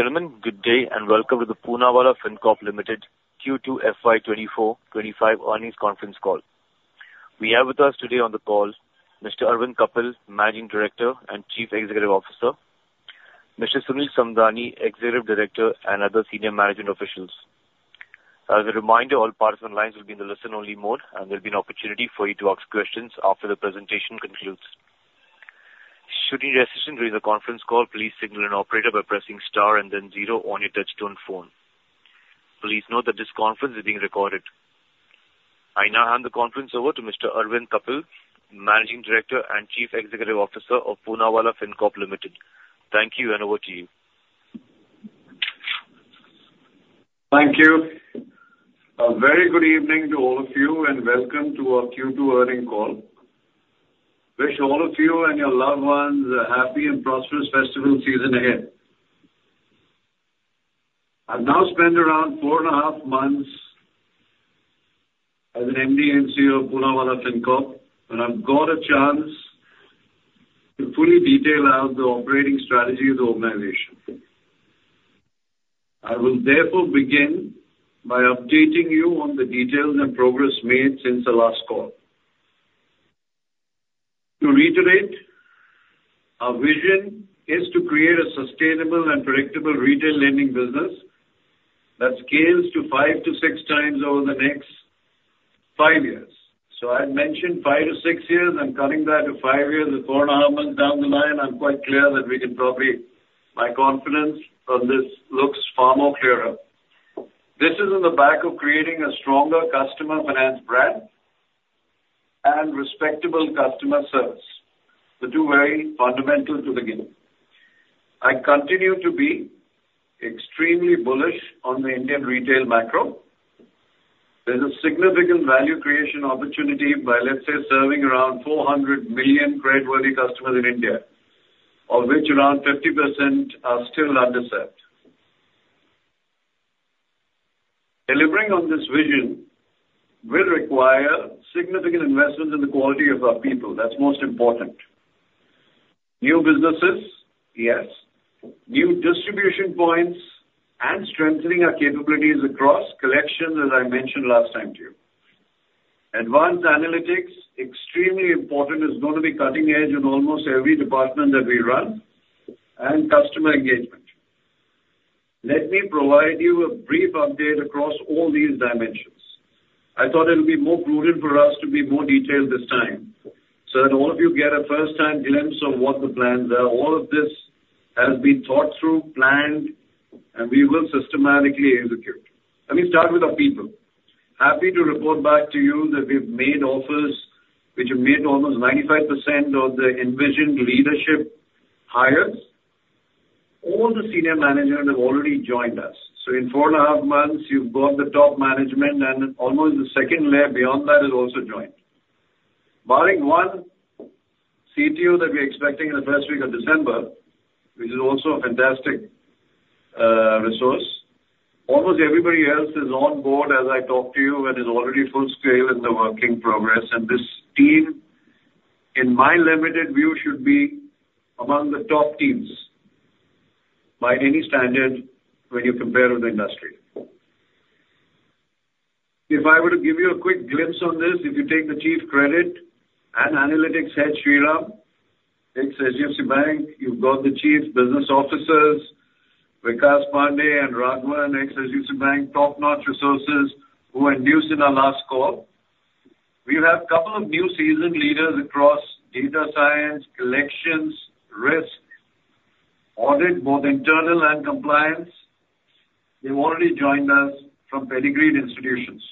Ladies and gentlemen, good day, and welcome to the Poonawalla Fincorp Limited Q2 FY 2024-25 earnings conference call. We have with us today on the call Mr. Arvind Kapil, Managing Director and Chief Executive Officer, Mr. Sunil Samdani, Executive Director, and other senior management officials. As a reminder, all participants lines will be in the listen-only mode, and there'll be an opportunity for you to ask questions after the presentation concludes. Should you need assistance during the conference call, please signal an operator by pressing star and then zero on your touchtone phone. Please note that this conference is being recorded. I now hand the conference over to Mr. Arvind Kapil, Managing Director and Chief Executive Officer of Poonawalla Fincorp Limited. Thank you, and over to you. Thank you. A very good evening to all of you, and welcome to our Q2 earnings call. Wish all of you and your loved ones a happy and prosperous festival season ahead. I've now spent around four and a half months as an MD and CEO of Poonawalla Fincorp, and I've got a chance to fully detail out the operating strategy of the organization. I will therefore begin by updating you on the details and progress made since the last call. To reiterate, our vision is to create a sustainable and predictable retail lending business that scales to five to six times over the next five years. So I've mentioned five to six years and coming back to five years and four and a half months down the line, I'm quite clear that we can probably. My confidence on this looks far more clearer. This is on the back of creating a stronger customer finance brand and respectable customer service, the two very fundamental to begin. I continue to be extremely bullish on the Indian retail macro. There's a significant value creation opportunity by, let's say, serving around 400 million creditworthy customers in India, of which around 50% are still underserved. Delivering on this vision will require significant investments in the quality of our people. That's most important. New businesses, yes, new distribution points, and strengthening our capabilities across collections, as I mentioned last time to you. Advanced analytics, extremely important, is going to be cutting edge in almost every department that we run, and customer engagement. Let me provide you a brief update across all these dimensions. I thought it would be more prudent for us to be more detailed this time, so that all of you get a first-hand glimpse of what the plans are. All of this has been thought through, planned, and we will systematically execute. Let me start with our people. Happy to report back to you that we've made offers, which have made almost 95% of the envisioned leadership hires. All the senior management have already joined us. So in four and a half months, you've got the top management, and almost the second layer beyond that has also joined. Barring one CTO that we're expecting in the first week of December, which is also a fantastic resource, almost everybody else is on board as I talk to you and is already full scale in the working progress. This team, in my limited view, should be among the top teams by any standard when you compare with the industry. If I were to give you a quick glimpse on this, if you take the Chief Credit and Analytics Head, Shriram, ex-HDFC Bank, you've got the Chief Business Officers, Vikas Pandey and Raghavan, ex-HDFC Bank, top-notch resources, who I introduced in our last call. We have a couple of new seasoned leaders across data science, collections, risk, audit, both internal and compliance. They've already joined us from pedigreed institutions.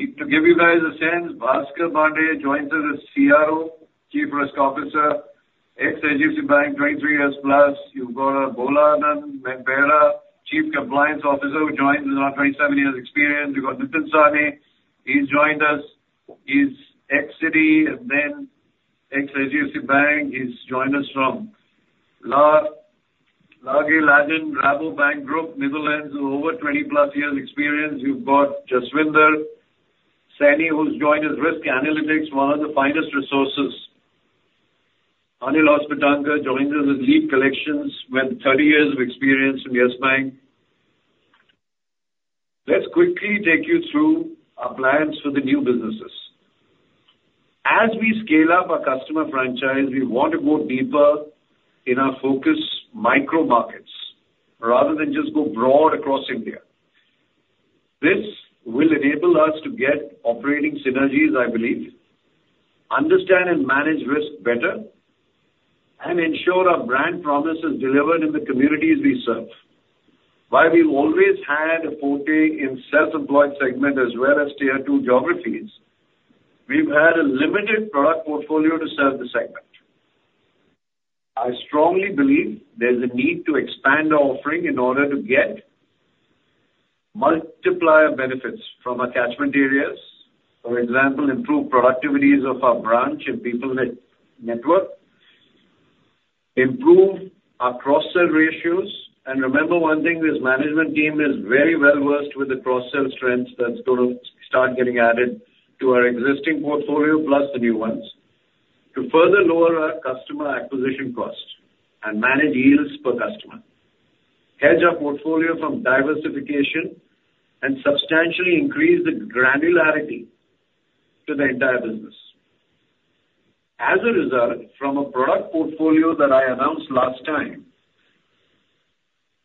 To give you guys a sense, Bhaskar Pandey joins us as CRO, Chief Risk Officer, ex-HDFC Bank, 23 years plus. You've got Bholananda Behera, Chief Compliance Officer, who joins us with 27 years experience. You've got Nitin Sane, he's joined us. He's ex-Citi and then ex-HDFC Bank. He's joined us from the legendary Rabobank Group, Netherlands, with over 20+ years experience. You've got Jaswinder Saini, who's joined as risk analytics, one of the finest resources. Anil Hoskote joins us as lead collections, with 30 years of experience in Yes Bank. Let's quickly take you through our plans for the new businesses. As we scale up our customer franchise, we want to go deeper in our focused micro markets rather than just go broad across India. This will enable us to get operating synergies, I believe, understand and manage risk better, and ensure our brand promise is delivered in the communities we serve. While we've always had a forte in self-employed segment as well as tier two geographies, we've had a limited product portfolio to serve the segment. I strongly believe there's a need to expand our offering in order to get multiplier benefits from our catchment areas. For example, improve productivities of our branch and people network, improve our cross-sell ratios, and remember one thing, this management team is very well versed with the cross-sell strengths that's going to start getting added to our existing portfolio plus the new ones... to further lower our customer acquisition costs and manage yields per customer, hedge our portfolio from diversification, and substantially increase the granularity to the entire business. As a result, from a product portfolio that I announced last time,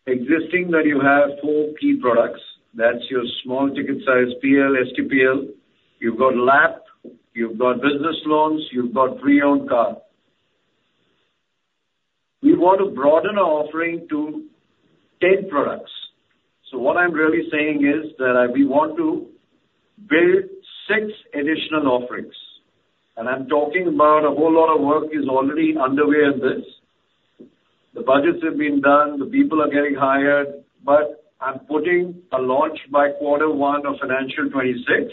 existing that you have 4 key products, that's your small ticket size PL, STPL, you've got LAP, you've got business loans, you've got pre-owned car. We want to broaden our offering to 10 products. So what I'm really saying is that we want to build six additional offerings, and I'm talking about a whole lot of work is already underway on this. The budgets have been done, the people are getting hired, but I'm putting a launch by quarter one of FY26,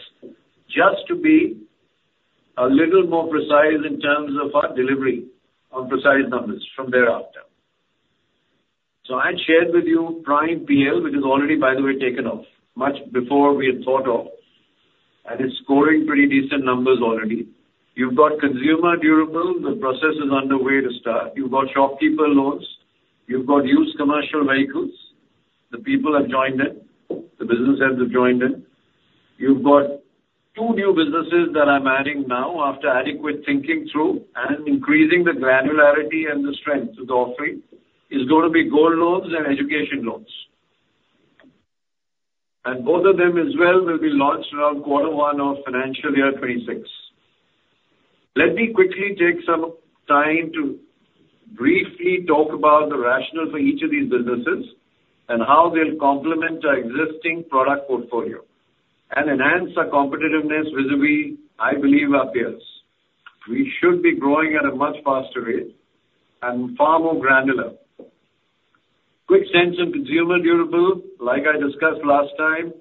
just to be a little more precise in terms of our delivery on precise numbers from thereafter. So I shared with you Prime PL, which is already, by the way, taken off much before we had thought of, and it's scoring pretty decent numbers already. You've got consumer durables, the process is underway to start. You've got shopkeeper loans. You've got used commercial vehicles. The people have joined in, the business heads have joined in. You've got two new businesses that I'm adding now after adequate thinking through and increasing the granularity and the strength of the offering, is gonna be gold loans and education loans, and both of them as well will be launched around quarter one of financial year twenty-six. Let me quickly take some time to briefly talk about the rationale for each of these businesses and how they'll complement our existing product portfolio and enhance our competitiveness vis-à-vis, I believe, our peers. We should be growing at a much faster rate and far more granular. Quick sense in consumer durable, like I discussed last time,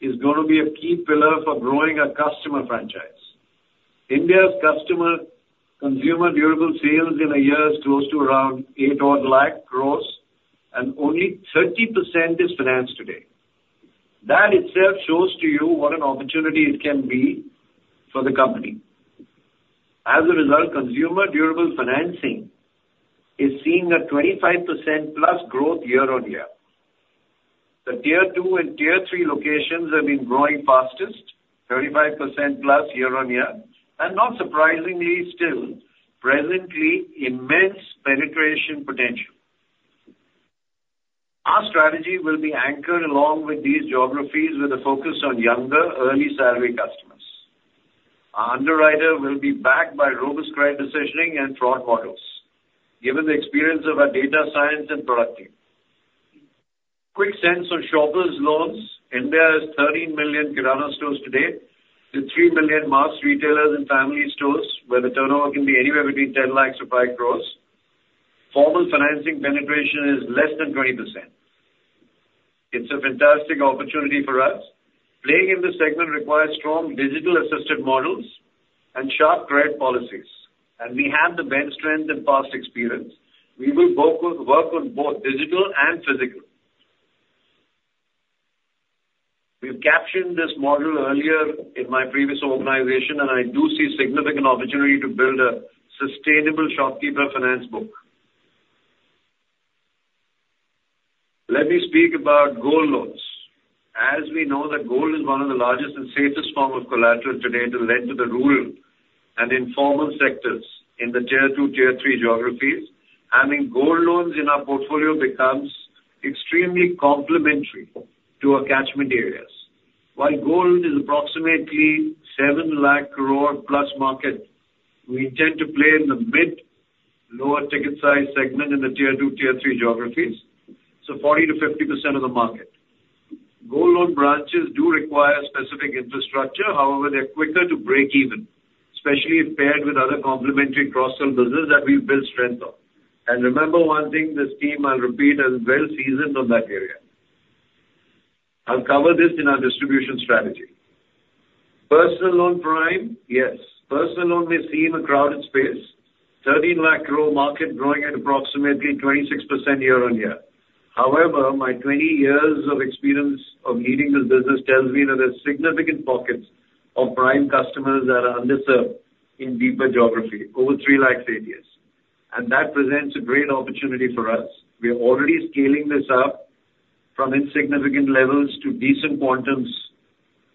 is gonna be a key pillar for growing our customer franchise. India's consumer durable sales in a year is close to around eight odd lakh gross, and only 30% is financed today. That itself shows to you what an opportunity it can be for the company. As a result, consumer durable financing is seeing a 25% plus growth year on year. The tier two and tier three locations have been growing fastest, 35% plus year on year, and not surprisingly, still, presently, immense penetration potential. Our strategy will be anchored along with these geographies with a focus on younger, early salary customers. Our underwriter will be backed by robust credit decisioning and fraud models, given the experience of our data science and product team. Quick sense on shopkeeper loans. India has 13 million kirana stores today, with 3 million mass retailers and family stores, where the turnover can be anywhere between 10 lakhs to 5 crores. Formal financing penetration is less than 20%. It's a fantastic opportunity for us. Playing in this segment requires strong digital assisted models and sharp credit policies, and we have the bench strength and past experience. We will work with, work on both digital and physical. We've captioned this model earlier in my previous organization, and I do see significant opportunity to build a sustainable shopkeeper finance book. Let me speak about gold loans. As we know that gold is one of the largest and safest form of collateral today to lend to the rural and informal sectors in the Tier 2, Tier 3 geographies, having gold loans in our portfolio becomes extremely complementary to our catchment areas. While gold is approximately seven lakh crore plus market, we intend to play in the mid, lower ticket size segment in the Tier 2, Tier 3 geographies, so 40%-50% of the market. Gold loan branches do require specific infrastructure. However, they're quicker to break even, especially if paired with other complementary cross-sell business that we've built strength on. And remember one thing, this team, I'll repeat, is well seasoned on that area. I'll cover this in our distribution strategy. Personal loan prime, yes. Personal loan may seem a crowded space, 13 lakh crore market growing at approximately 26% year on year. However, my 20 years of experience of leading this business tells me that there's significant pockets of prime customers that are underserved in deeper geography, over three lakhs areas, and that presents a great opportunity for us. We are already scaling this up from insignificant levels to decent quantums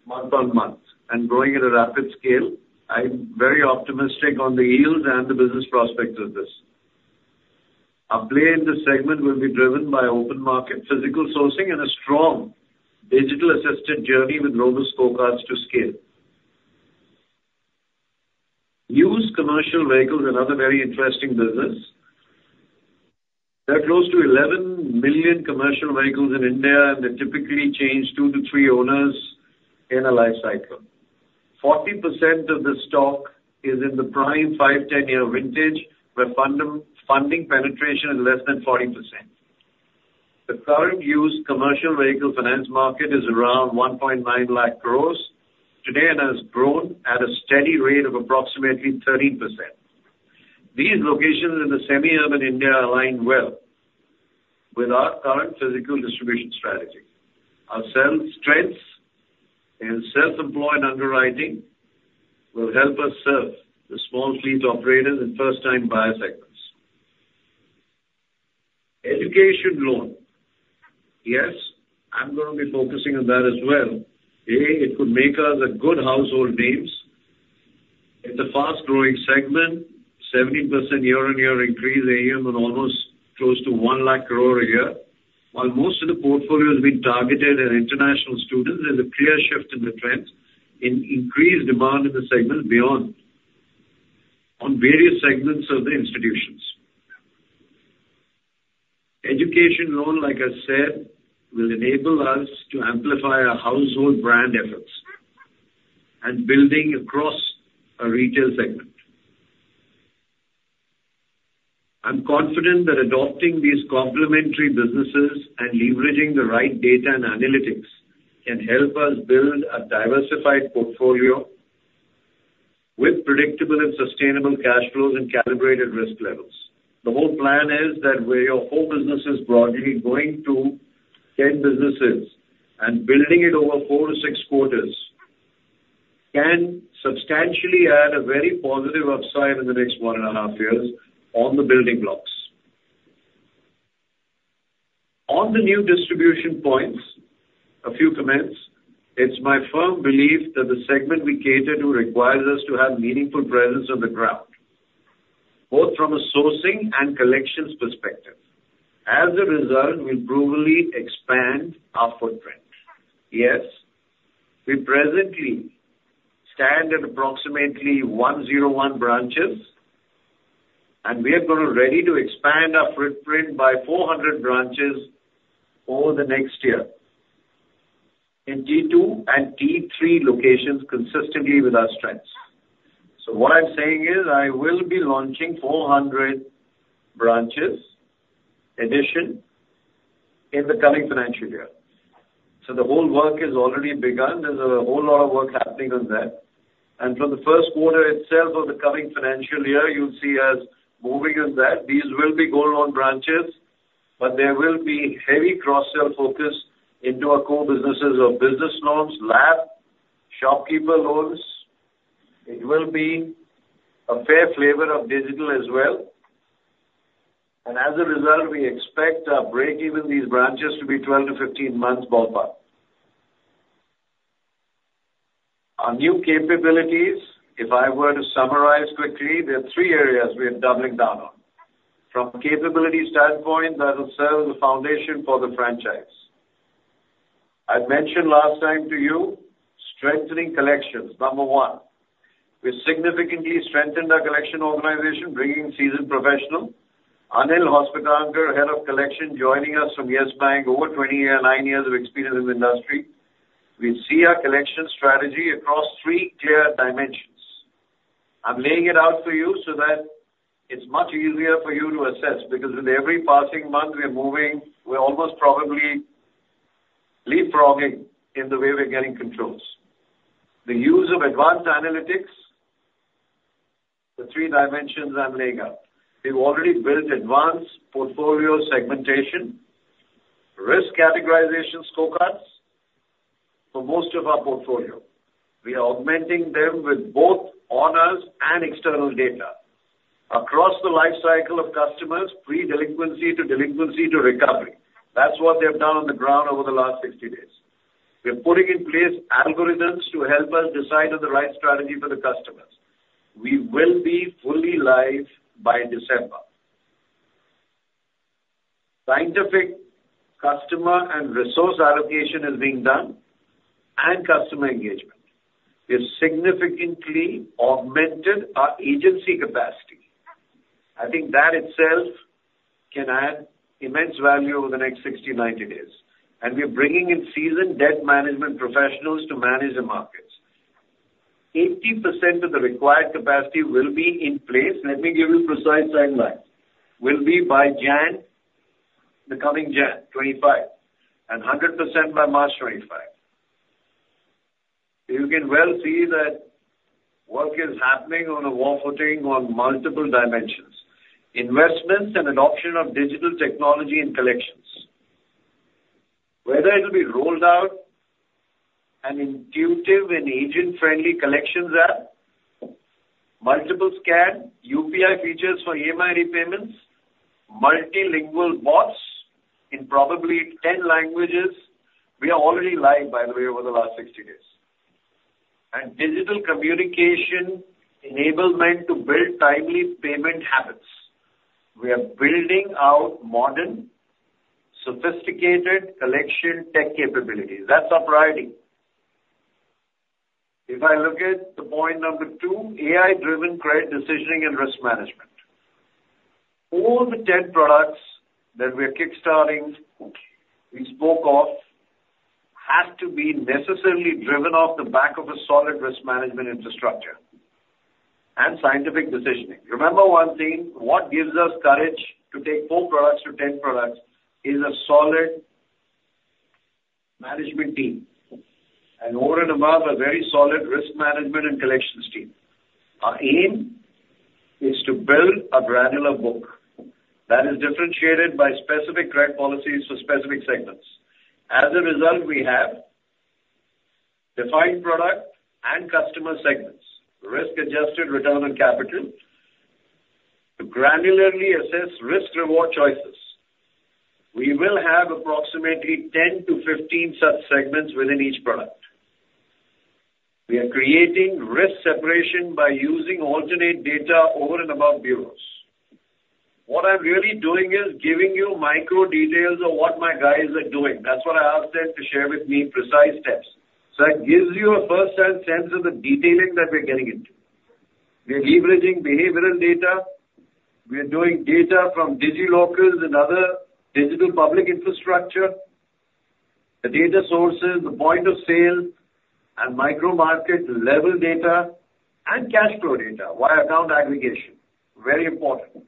month on month and growing at a rapid scale. I'm very optimistic on the yields and the business prospects of this. Our play in this segment will be driven by open market, physical sourcing, and a strong digital-assisted journey with robust funnels to scale. Used commercial vehicles, another very interesting business. There are close to 11 million commercial vehicles in India, and they typically change two to three owners in a life cycle. 40% of the stock is in the prime 5-10 year vintage, where funding penetration is less than 40%. The current used commercial vehicle finance market is around 1.9 lakh crores today, and has grown at a steady rate of approximately 13%. These locations in the semi-urban India align well with our current physical distribution strategy. Our sales strengths and self-employed underwriting will help us serve the small fleet operators and first-time buyer segments. Education loan. Yes, I'm going to be focusing on that as well. It could make us a good household name. It's a fast-growing segment, 70% year-on-year increase AUM on almost close to one lakh crore a year. While most of the portfolio has been targeted at international students, there's a clear shift in the trends in increased demand in the segment beyond on various segments of the institutions. Education loan, like I said, will enable us to amplify our household brand efforts and building across our retail segment. I'm confident that adopting these complementary businesses and leveraging the right data and analytics can help us build a diversified portfolio with predictable and sustainable cash flows and calibrated risk levels. The whole plan is that where your whole business is broadly going to ten businesses and building it over four to six quarters, can substantially add a very positive upside in the next one and a half years on the building blocks. On the new distribution points, a few comments. It's my firm belief that the segment we cater to requires us to have meaningful presence on the ground, both from a sourcing and collections perspective. As a result, we'll brutally expand our footprint. Yes, we presently stand at approximately 101 branches, and we are getting ready to expand our footprint by 400 branches over the next year in T2 and T3 locations, consistently with our strengths. So what I'm saying is, I will be launching 400 branches addition in the coming financial year. So the whole work has already begun. There's a whole lot of work happening on that. From the first quarter itself of the coming financial year, you'll see us moving on that. These will be gold loan branches, but there will be heavy cross-sell focus into our core businesses of business loans, LAP, shopkeeper loans. It will be a fair flavor of digital as well. And as a result, we expect our breakeven for these branches to be 12-15 months ballpark. Our new capabilities, if I were to summarize quickly, there are three areas we are doubling down on. From a capability standpoint, that will serve as the foundation for the franchise. I've mentioned last time to you, strengthening collections, number one. We significantly strengthened our collection organization, bringing seasoned professional, Anil Hoskote, Head of Collections, joining us from Yes Bank, over twenty years, nine years of experience in the industry. We see our collection strategy across three clear dimensions. I'm laying it out for you so that it's much easier for you to assess, because with every passing month, we are moving, we're almost probably leapfrogging in the way we're getting controls. The use of advanced analytics, the three dimensions I'm laying out. We've already built advanced portfolio segmentation, risk categorization scorecards for most of our portfolio. We are augmenting them with both internal and external data across the life cycle of customers, pre-delinquency to delinquency to recovery. That's what they've done on the ground over the last 60 days. We're putting in place algorithms to help us decide on the right strategy for the customers. We will be fully live by December. Scientific customer and resource allocation is being done and customer engagement. We have significantly augmented our agency capacity. I think that itself can add immense value over the next 60-90 days, and we are bringing in seasoned debt management professionals to manage the markets. 80% of the required capacity will be in place, let me give you precise timeline, will be by January, the coming January 2025, and 100% by March 2025. You can well see that work is happening on a war footing on multiple dimensions, investments and adoption of digital technology in collections. Whether it'll be rolled out an intuitive and agent-friendly collections app, multiple scan, UPI features for EMI repayments, multilingual bots in probably 10 languages. We are already live, by the way, over the last 60 days, and digital communication enablement to build timely payment habits. We are building out modern, sophisticated collection tech capabilities. That's our priority. If I look at the point number 2, AI-driven credit decisioning and risk management. All the tech products that we are kickstarting, we spoke of, have to be necessarily driven off the back of a solid risk management infrastructure and scientific decisioning. Remember one thing, what gives us courage to take four products to 10 products is a solid management team, and over and above, a very solid risk management and collections team. Our aim is to build a granular book that is differentiated by specific credit policies for specific segments. As a result, we have defined product and customer segments, risk-adjusted return on capital, to granularly assess risk reward choices. We will have approximately 10 to 15 such segments within each product. We are creating risk separation by using alternative data over and above bureaus. What I'm really doing is giving you micro details of what my guys are doing. That's what I asked them to share with me, precise steps. So that gives you a first-hand sense of the detailing that we're getting into. We are leveraging behavioral data, we are doing data from DigiLocker and other digital public infrastructure, the data sources, the point of sale, and micro market level data, and cash flow data via account aggregation. Very important.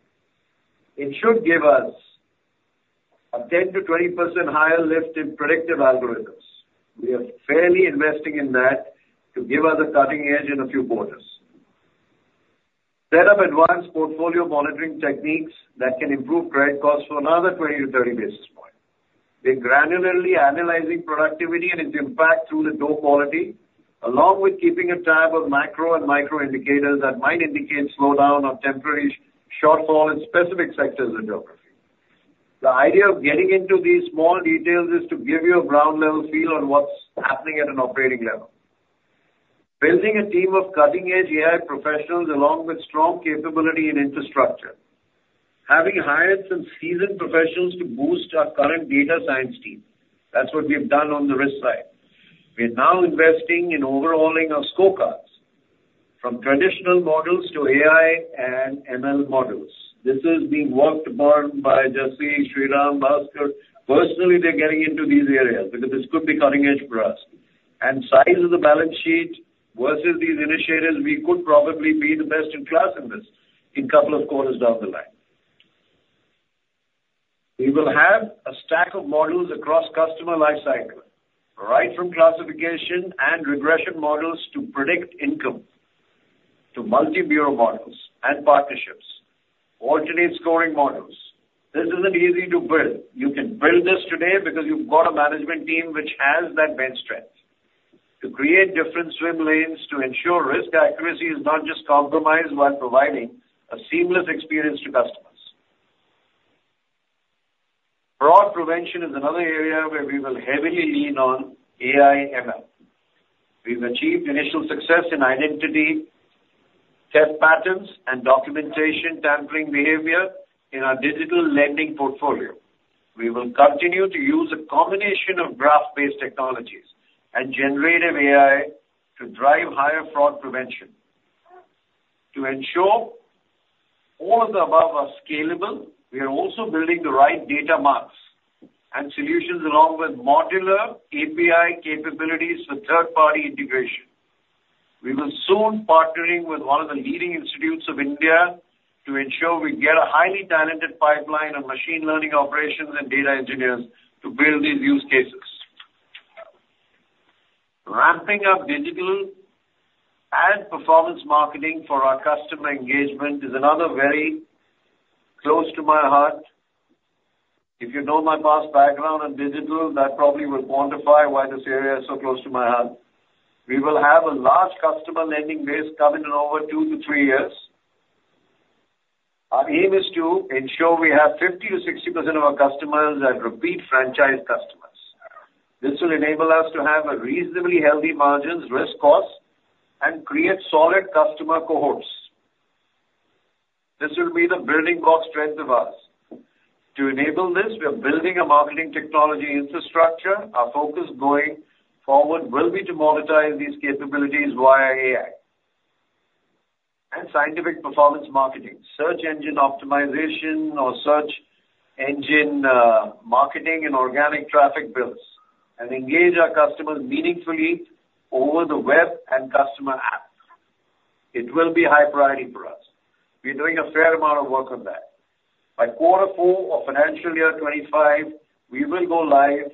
It should give us a 10%-20% higher lift in predictive algorithms. We are fairly investing in that to give us a cutting edge in a few quarters. Set up advanced portfolio monitoring techniques that can improve credit costs for another 20-30 basis points. We're granularly analyzing productivity and its impact through the door quality, along with keeping a tab of macro and micro indicators that might indicate slowdown or temporary shortfall in specific sectors of geography. The idea of getting into these small details is to give you a ground level feel on what's happening at an operating level. Building a team of cutting-edge AI professionals, along with strong capability and infrastructure, having hired some seasoned professionals to boost our current data science team. That's what we've done on the risk side. We are now investing in overhauling our scorecards from traditional models to AI and ML models. This is being worked upon by Jaswinder, Shriram, Bhaskar. Personally, they're getting into these areas because this could be cutting edge for us. Size of the balance sheet versus these initiatives, we could probably be the best in class in this in couple of quarters down the line. We will have a stack of models across customer life cycle, right from classification and regression models to predict income, to multi-bureau models and partnerships, alternate scoring models. This isn't easy to build. You can build this today because you've got a management team which has that main strength to create different swim lanes to ensure risk accuracy is not just compromised, while providing a seamless experience to customers. Fraud prevention is another area where we will heavily lean on AI, ML. We've achieved initial success in identity theft patterns, and documentation tampering behavior in our digital lending portfolio. We will continue to use a combination of graph-based technologies and generative AI to drive higher fraud prevention. To ensure all of the above are scalable, we are also building the right data marts and solutions, along with modular API capabilities for third-party integration. We will soon be partnering with one of the leading institutes of India to ensure we get a highly talented pipeline of machine learning operations and data engineers to build these use cases. Ramping up digital and performance marketing for our customer engagement is another very close to my heart. If you know my past background in digital, that probably will quantify why this area is so close to my heart. We will have a large customer lending base coming in over two to three years. Our aim is to ensure we have 50%-60% of our customers as repeat franchise customers. This will enable us to have a reasonably healthy margins, risk costs, and create solid customer cohorts. This will be the building block strength of us. To enable this, we are building a marketing technology infrastructure. Our focus going forward will be to monetize these capabilities via AI and scientific performance marketing, search engine optimization or search engine marketing and organic traffic builds, and engage our customers meaningfully over the web and customer apps. It will be a high priority for us. We're doing a fair amount of work on that. By quarter four of financial year twenty-five, we will go live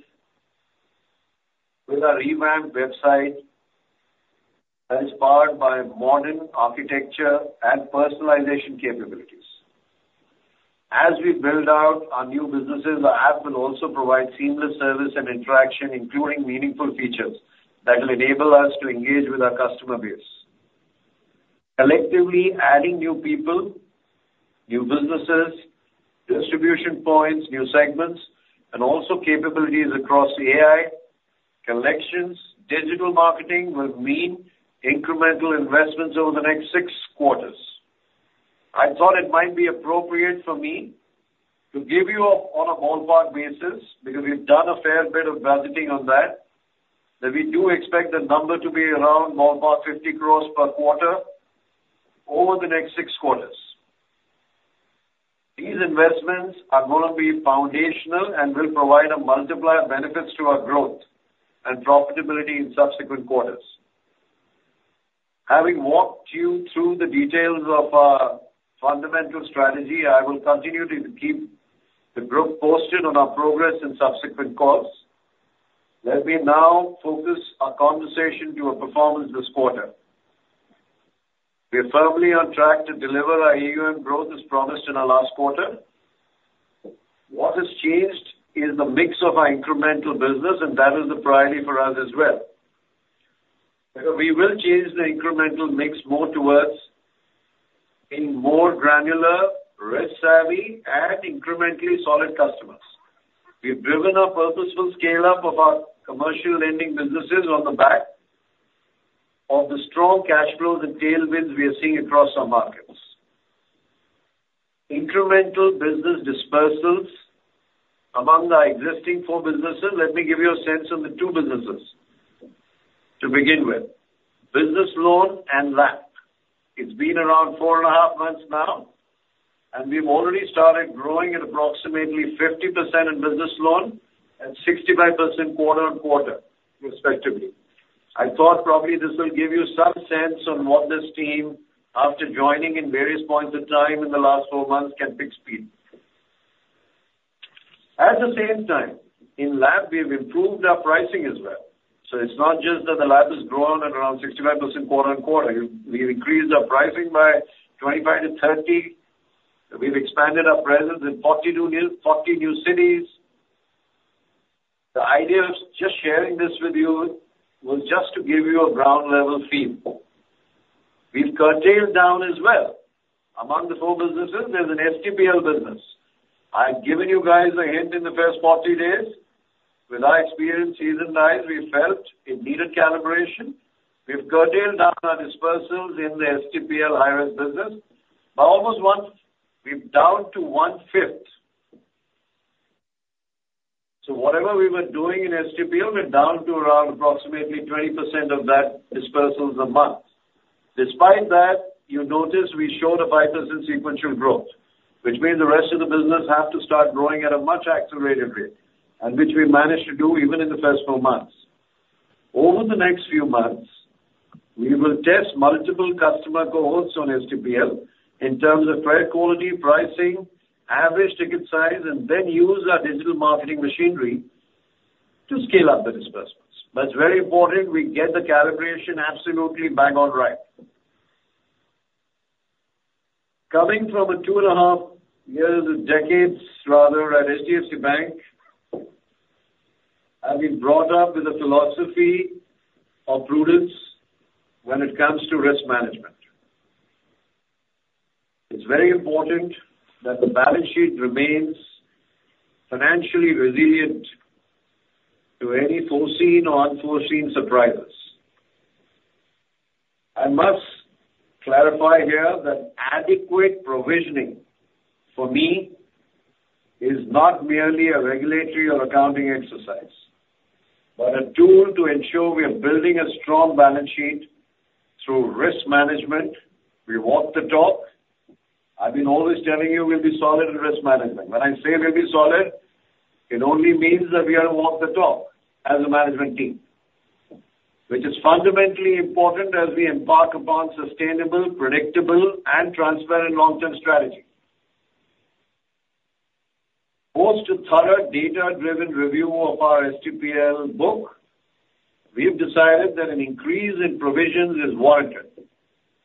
with our revamped website that is powered by modern architecture and personalization capabilities. As we build out our new businesses, our app will also provide seamless service and interaction, including meaningful features that will enable us to engage with our customer base. Collectively, adding new people, new businesses, distribution points, new segments, and also capabilities across AI, collections, digital marketing will mean incremental investments over the next six quarters. I thought it might be appropriate for me to give you on a ballpark basis, because we've done a fair bit of budgeting on that, that we do expect the number to be around ballpark 50 crores per quarter over the next six quarters. These investments are gonna be foundational and will provide a multiplier benefits to our growth and profitability in subsequent quarters.... Having walked you through the details of our fundamental strategy, I will continue to keep the group posted on our progress in subsequent calls. Let me now focus our conversation to our performance this quarter. We are firmly on track to deliver our AUM growth as promised in our last quarter. What has changed is the mix of our incremental business, and that is a priority for us as well. We will change the incremental mix more towards in more granular, risk savvy, and incrementally solid customers. We've driven a purposeful scale-up of our commercial lending businesses on the back of the strong cash flows and tailwinds we are seeing across our markets. Incremental business disbursals among our existing four businesses, let me give you a sense of the two businesses. To begin with, business loan and LAP. It's been around four and a half months now, and we've already started growing at approximately 50% in business loan and 65% quarter on quarter, respectively. I thought probably this will give you some sense on what this team, after joining in various points of time in the last four months, can pick speed. At the same time, in LAP, we've improved our pricing as well. So it's not just that the LAP has grown at around 65% quarter on quarter. We've increased our pricing by 25-30. We've expanded our presence in 40 new cities. The idea of just sharing this with you was just to give you a ground level feel. We've curtailed down as well. Among the four businesses, there's an STPL business. I've given you guys a hint in the first 40 days. With our experience seasoning, we felt it needed calibration. We've curtailed down our disbursals in the STPL higher risk business by almost one. We're down to one-fifth. So whatever we were doing in STPL, we're down to around approximately 20% of that disbursals a month. Despite that, you notice we show the 5% sequential growth, which means the rest of the business have to start growing at a much accelerated rate, and which we managed to do even in the first four months. Over the next few months, we will test multiple customer cohorts on STPL in terms of credit quality, pricing, average ticket size, and then use our digital marketing machinery to scale up the disbursements. But it's very important we get the calibration absolutely bang on right. Coming from a two and a half years, or decades rather, at HDFC Bank, I've been brought up with a philosophy of prudence when it comes to risk management. It's very important that the balance sheet remains financially resilient to any foreseen or unforeseen surprises. I must clarify here that adequate provisioning, for me, is not merely a regulatory or accounting exercise, but a tool to ensure we are building a strong balance sheet through risk management. We walk the talk. I've been always telling you we'll be solid in risk management. When I say we'll be solid, it only means that we are to walk the talk as a management team, which is fundamentally important as we embark upon sustainable, predictable, and transparent long-term strategy. Post a thorough data-driven review of our STPL book, we have decided that an increase in provisions is warranted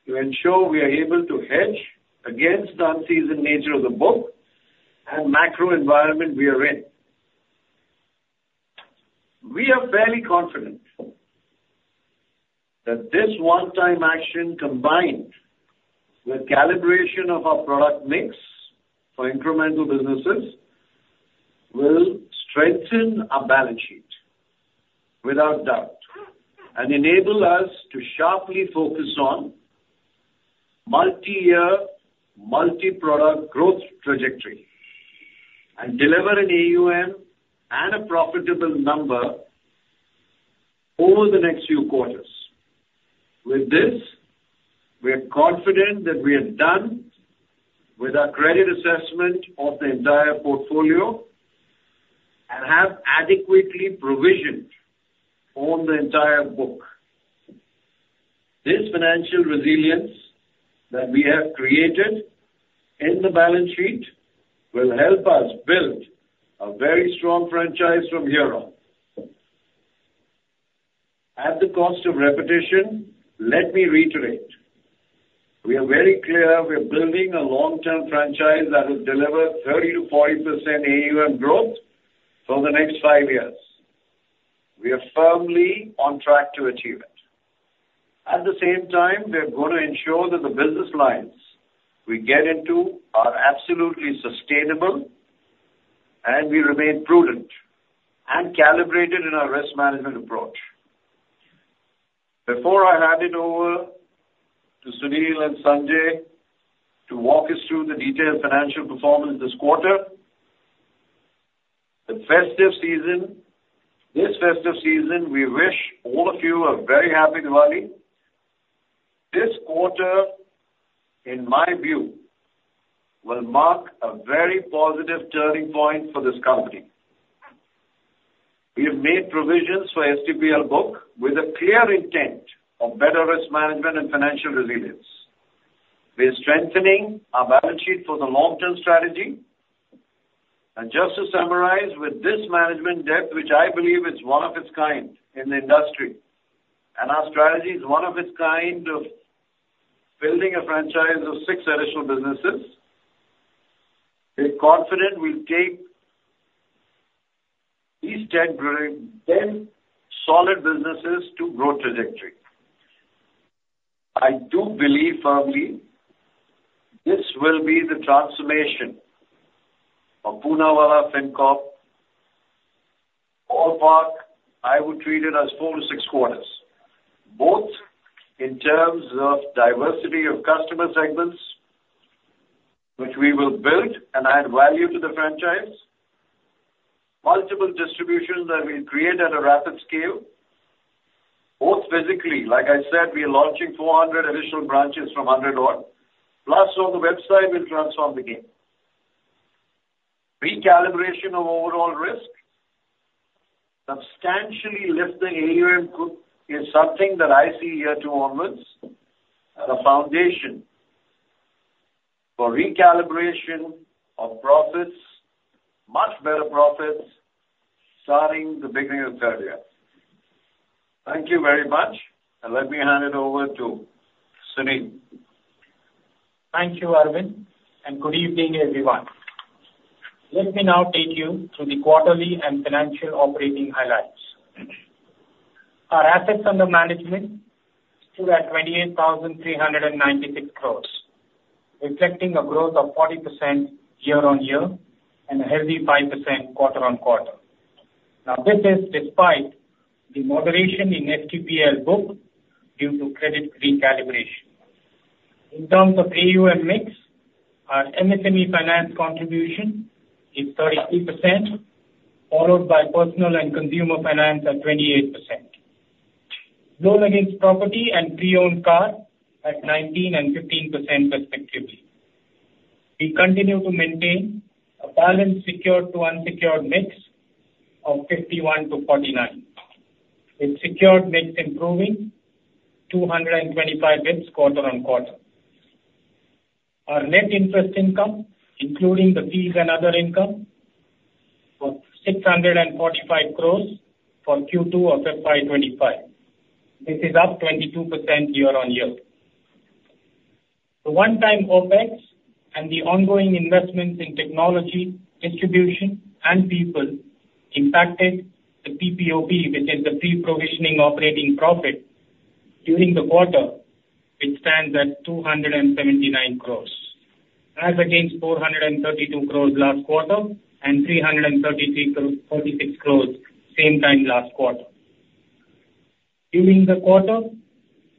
to ensure we are able to hedge against the unseasoned nature of the book and macro environment we are in. We are very confident that this one-time action, combined with calibration of our product mix for incremental businesses, will strengthen our balance sheet, without doubt, and enable us to sharply focus on multi-year, multi-product growth trajectory and deliver an AUM and a profitable number over the next few quarters. With this, we are confident that we are done with our credit assessment of the entire portfolio and have adequately provisioned on the entire book. This financial resilience that we have created in the balance sheet will help us build a very strong franchise from here on. At the cost of repetition, let me reiterate, we are very clear we are building a long-term franchise that will deliver 30%-40% AUM growth for the next five years. We are firmly on track to achieve it. At the same time, we are going to ensure that the business lines we get into are absolutely sustainable, and we remain prudent and calibrated in our risk management approach. Before I hand it over to Sunil and Sanjay to walk us through the detailed financial performance this quarter. The festive season, this festive season, we wish all of you a very happy Diwali. This quarter, in my view, will mark a very positive turning point for this company. We have made provisions for STPL book with a clear intent of better risk management and financial resilience. We are strengthening our balance sheet for the long-term strategy. Just to summarize, with this management depth, which I believe is one of its kind in the industry, and our strategy is one of its kind of building a franchise of six additional businesses, we're confident we'll take these 10 growing, 10 solid businesses to growth trajectory. I do believe firmly, this will be the transformation of Poonawalla Fincorp. Ballpark, I would treat it as four to six quarters, both in terms of diversity of customer segments, which we will build and add value to the franchise, multiple distributions that we'll create at a rapid scale, both physically, like I said, we are launching 400 additional branches from 100-odd, plus on the website, we'll transform the game. Recalibration of overall risk, substantially lifting AUM growth, is something that I see year two onwards, as a foundation for recalibration of profits, much better profits, starting the beginning of third year. Thank you very much, and let me hand it over to Sunil. Thank you, Arvind, and good evening, everyone. Let me now take you through the quarterly and financial operating highlights. Our assets under management stood at 28,396 crores, reflecting a growth of 40% year-on-year and a healthy 5% quarter-on-quarter. Now, this is despite the moderation in STPL book due to credit recalibration. In terms of AUM mix, our MSME finance contribution is 32%, followed by personal and consumer finance at 28%. Loan against property and pre-owned car at 19% and 15% respectively. We continue to maintain a balanced secured to unsecured mix of 51 to 49, with secured mix improving 225 basis points quarter-on-quarter. Our net interest income, including the fees and other income, was INR 645 crores for Q2 of FY 2025. This is up 22% year-on-year. The one-time OpEx and the ongoing investments in technology, distribution, and people impacted the PPOP, which is the pre-provision operating profit, during the quarter, which stands at 279 crores, as against 432 crores last quarter and 333-336 crores same time last quarter. During the quarter,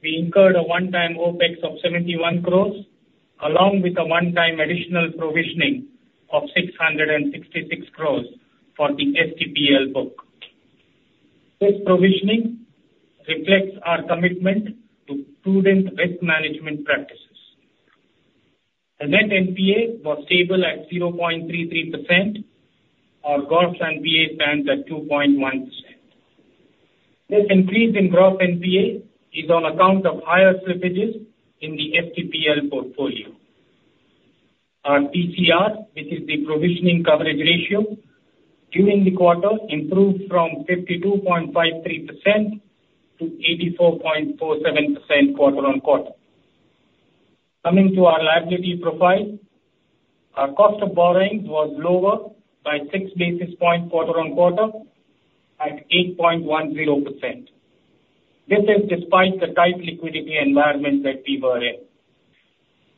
we incurred a one-time OpEx of 71 crores, along with a one-time additional provisioning of 666 crores for the STPL book. This provisioning reflects our commitment to prudent risk management practices. The net NPA was stable at 0.33%. Our gross NPA stands at 2.1%. This increase in gross NPA is on account of higher slippages in the STPL portfolio. Our PCR, which is the provisioning coverage ratio, during the quarter, improved from 52.53% to 84.47% quarter-on-quarter. Coming to our liability profile, our cost of borrowings was lower by six basis points quarter-on-quarter, at 8.10%. This is despite the tight liquidity environment that we were in.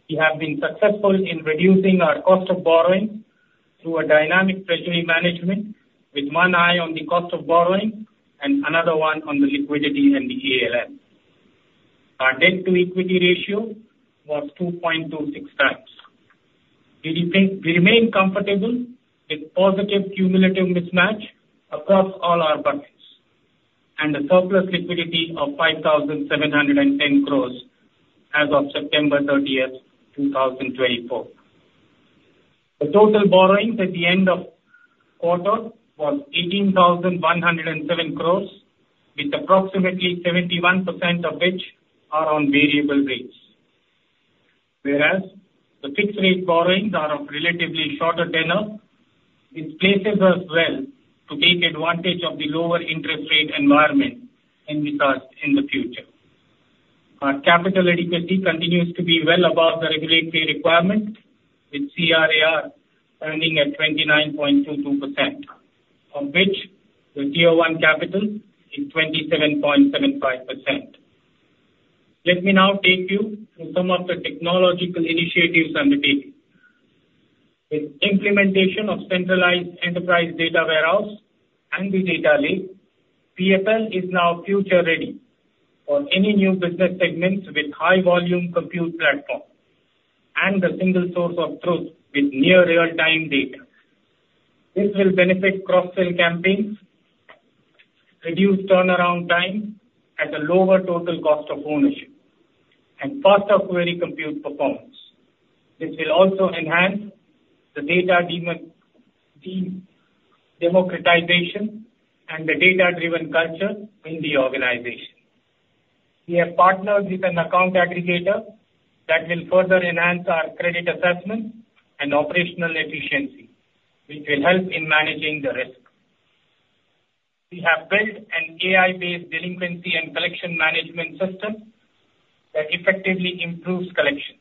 We have been successful in reducing our cost of borrowing through a dynamic treasury management, with one eye on the cost of borrowing and another one on the liquidity and the ALM. Our debt-to-equity ratio was 2.26 times. We remain comfortable with positive cumulative mismatch across all our buckets, and a surplus liquidity of 5,710 crores as of September thirtieth, 2024. The total borrowings at the end of quarter was 18,107 crores, with approximately 71% of which are on variable rates. Whereas, the fixed rate borrowings are of relatively shorter tenure, which places us well to take advantage of the lower interest rate environment in the past, in the future. Our capital adequacy continues to be well above the regulatory requirement, with CRAR standing at 29.22%, of which the Tier 1 capital is 27.75%. Let me now take you through some of the technological initiatives undertaken. With implementation of centralized enterprise data warehouse and the data lake, PFL is now future ready for any new business segments with high volume compute platform and a single source of truth with near real-time data. This will benefit cross-sell campaigns, reduce turnaround time at a lower total cost of ownership... and faster query compute performance. This will also enhance the data democratization and the data-driven culture in the organization. We have partnered with an Account Aggregator that will further enhance our credit assessment and operational efficiency, which will help in managing the risk. We have built an AI-based delinquency and collection management system that effectively improves collections.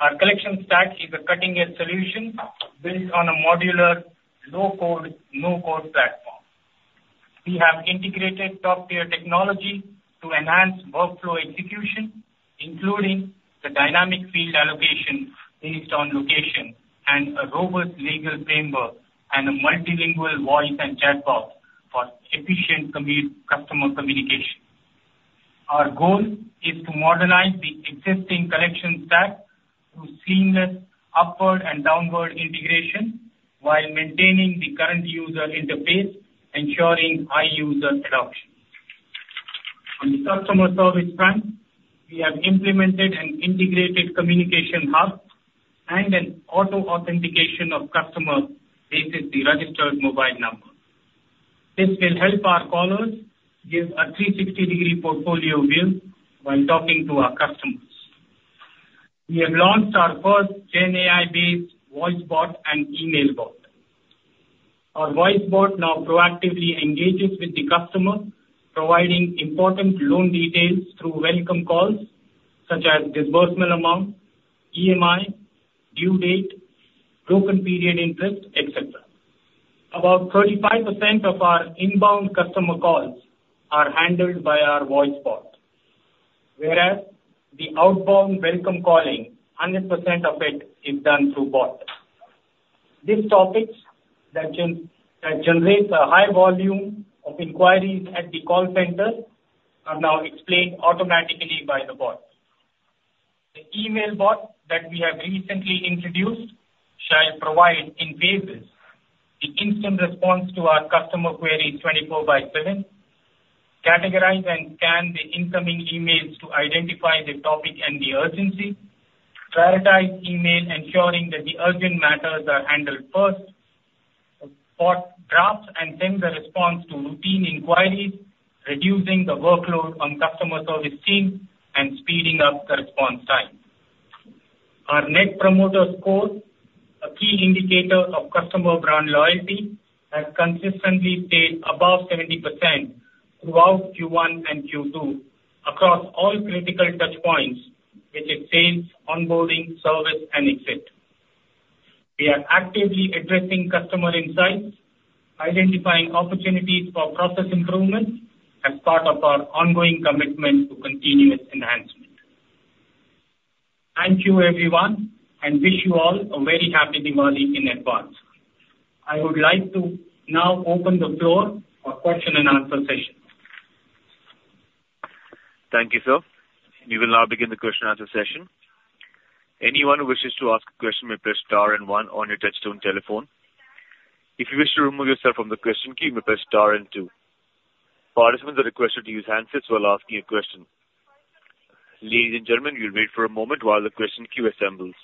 Our collection stack is a cutting-edge solution built on a modular, low-code, no-code platform. We have integrated top-tier technology to enhance workflow execution, including the dynamic field allocation based on location and a robust legal framework, and a multilingual voice and chatbot for efficient customer communication. Our goal is to modernize the existing collection stack through seamless upward and downward integration while maintaining the current user interface, ensuring high user adoption. On the customer service front, we have implemented an integrated communication hub and an auto authentication of customer based on the registered mobile number. This will help our callers give a 360-degree portfolio view when talking to our customers. We have launched our first Gen AI-based voice bot and email bot. Our voice bot now proactively engages with the customer, providing important loan details through welcome calls, such as disbursement amount, EMI, due date, broken period interest, et cetera. About 35% of our inbound customer calls are handled by our voice bot, whereas the outbound welcome calling, 100% of it is done through bot. These topics that generate a high volume of inquiries at the call center are now explained automatically by the bot. The email bot that we have recently introduced shall provide, in phases, the instant response to our customer query, 24/7, categorize and scan the incoming emails to identify the topic and the urgency, prioritize email, ensuring that the urgent matters are handled first, bot drafts and sends a response to routine inquiries, reducing the workload on customer service team and speeding up the response time. Our Net Promoter Score, a key indicator of customer brand loyalty, has consistently stayed above 70% throughout Q1 and Q2 across all critical touchpoints, which is sales, onboarding, service, and exit. We are actively addressing customer insights, identifying opportunities for process improvement as part of our ongoing commitment to continuous enhancement. Thank you, everyone, and wish you all a very happy Diwali in advance. I would like to now open the floor for question and answer session. Thank you, sir. We will now begin the question and answer session. Anyone who wishes to ask a question may press star and one on your touchtone telephone. If you wish to remove yourself from the question queue, you may press star and two. Participants are requested to use handsets while asking a question. Ladies and gentlemen, we'll wait for a moment while the question queue assembles.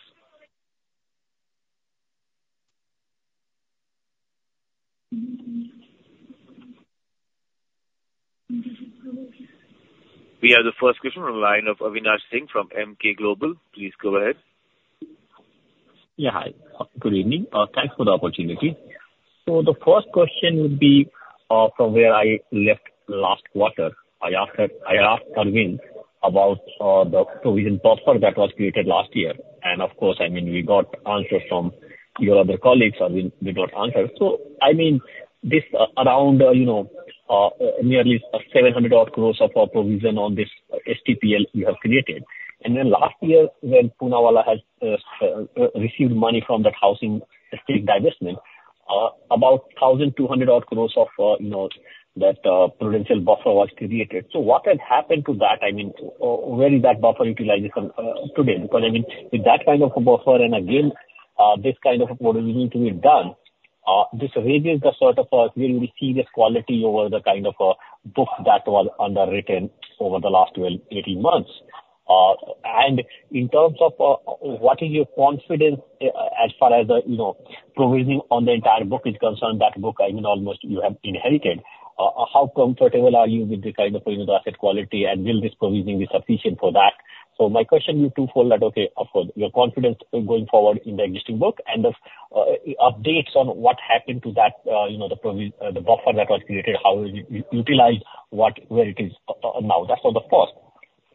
We have the first question on the line of Avinash Singh from Emkay Global. Please go ahead. Yeah, hi. Good evening. Thanks for the opportunity. So the first question would be, from where I left last quarter. I asked that, I asked Arvind about, the provision buffer that was created last year, and of course, I mean, we got answers from your other colleagues, or we got answers. So I mean, this, around, you know, nearly 700 odd crores of our provision on this STPL you have created. And then last year, when Poonawalla has, received money from that housing asset divestment, about 1,200 odd crores of, you know, that, prudential buffer was created. So what had happened to that? I mean, where is that buffer utilization, today? Because, I mean, with that kind of a buffer, and again, this kind of a provisioning to be done, this raises the sort of, very serious quality over the kind of, book that was underwritten over the last twelve, eighteen months, and in terms of, what is your confidence, as far as the, you know, provisioning on the entire book is concerned, that book, I mean, almost you have inherited. How comfortable are you with the kind of asset quality, and will this provisioning be sufficient for that? So my question is twofold, that okay, of course, your confidence going forward in the existing book and the, updates on what happened to that, you know, the provision, the buffer that was created, how is it utilized, what, where it is, now? That's for the first.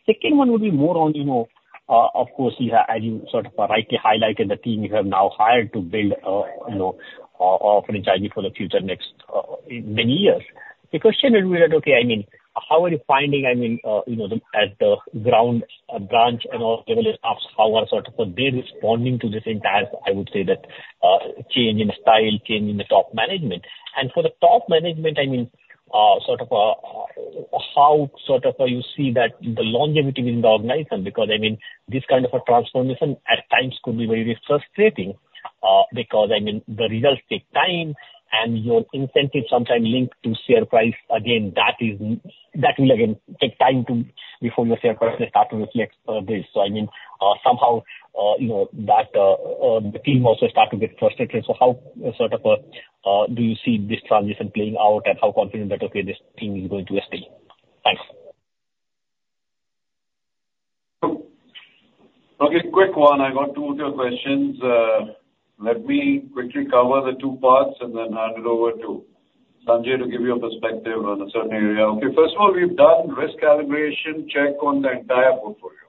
Second one would be more on, you know, of course, you have, as you sort of rightly highlighted, the team you have now hired to build, you know, a franchise for the future next, many years. The question would be that, okay, I mean, how are you finding... I mean, you know, at the ground, branch and all levels, how are sort of they responding to this entire, I would say that, change in style, change in the top management? And for the top management, I mean, sort of, how, sort of, you see that the longevity in the organization, because, I mean, this kind of a transformation at times could be very frustrating. Because, I mean, the results take time, and your incentive sometimes linked to share price. Again, that is, that will again take time to, before your share price may start to reflect, this. So I mean, somehow, you know, that, the team also start to get frustrated. So how sort of, do you see this transition playing out, and how confident that, okay, this team is going to stay? Thanks. So, okay, quick one. I got two of your questions. Let me quickly cover the two parts and then hand it over to Sanjay to give you a perspective on a certain area. Okay. First of all, we've done risk calibration check on the entire portfolio.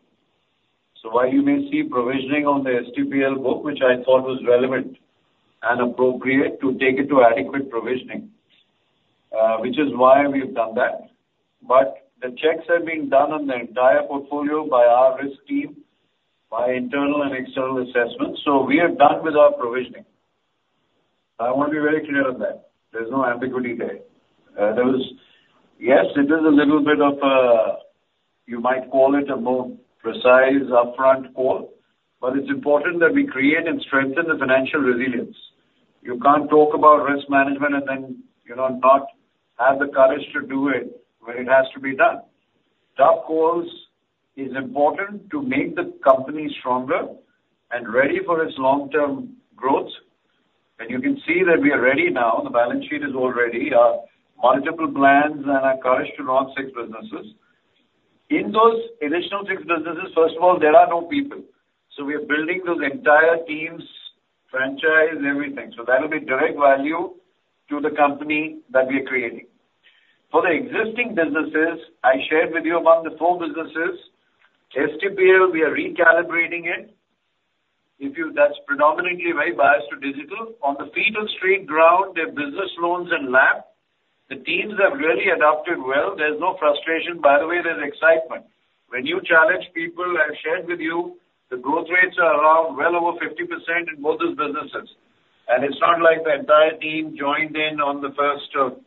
So while you may see provisioning on the STPL book, which I thought was relevant and appropriate to take it to adequate provisioning, which is why we've done that. But the checks have been done on the entire portfolio by our risk team, by internal and external assessments, so we are done with our provisioning. I want to be very clear on that. There's no ambiguity there. Yes, it is a little bit of a, you might call it a more precise upfront call, but it's important that we create and strengthen the financial resilience. You can't talk about risk management and then, you know, not have the courage to do it when it has to be done. Tough calls is important to make the company stronger and ready for its long-term growth, and you can see that we are ready now. The balance sheet is all ready. There are multiple plans and our courage to run six businesses. In those additional six businesses, first of all, there are no people, so we are building those entire teams, franchise, everything. So that'll be direct value to the company that we are creating. For the existing businesses, I shared with you about the four businesses. STPL, we are recalibrating it. That's predominantly very biased to digital. On the feet on street ground, they're business loans and LAP. The teams have really adapted well. There's no frustration, by the way, there's excitement. When you challenge people, I shared with you, the growth rates are around well over 50% in both those businesses. It's not like the entire team joined in on the first of,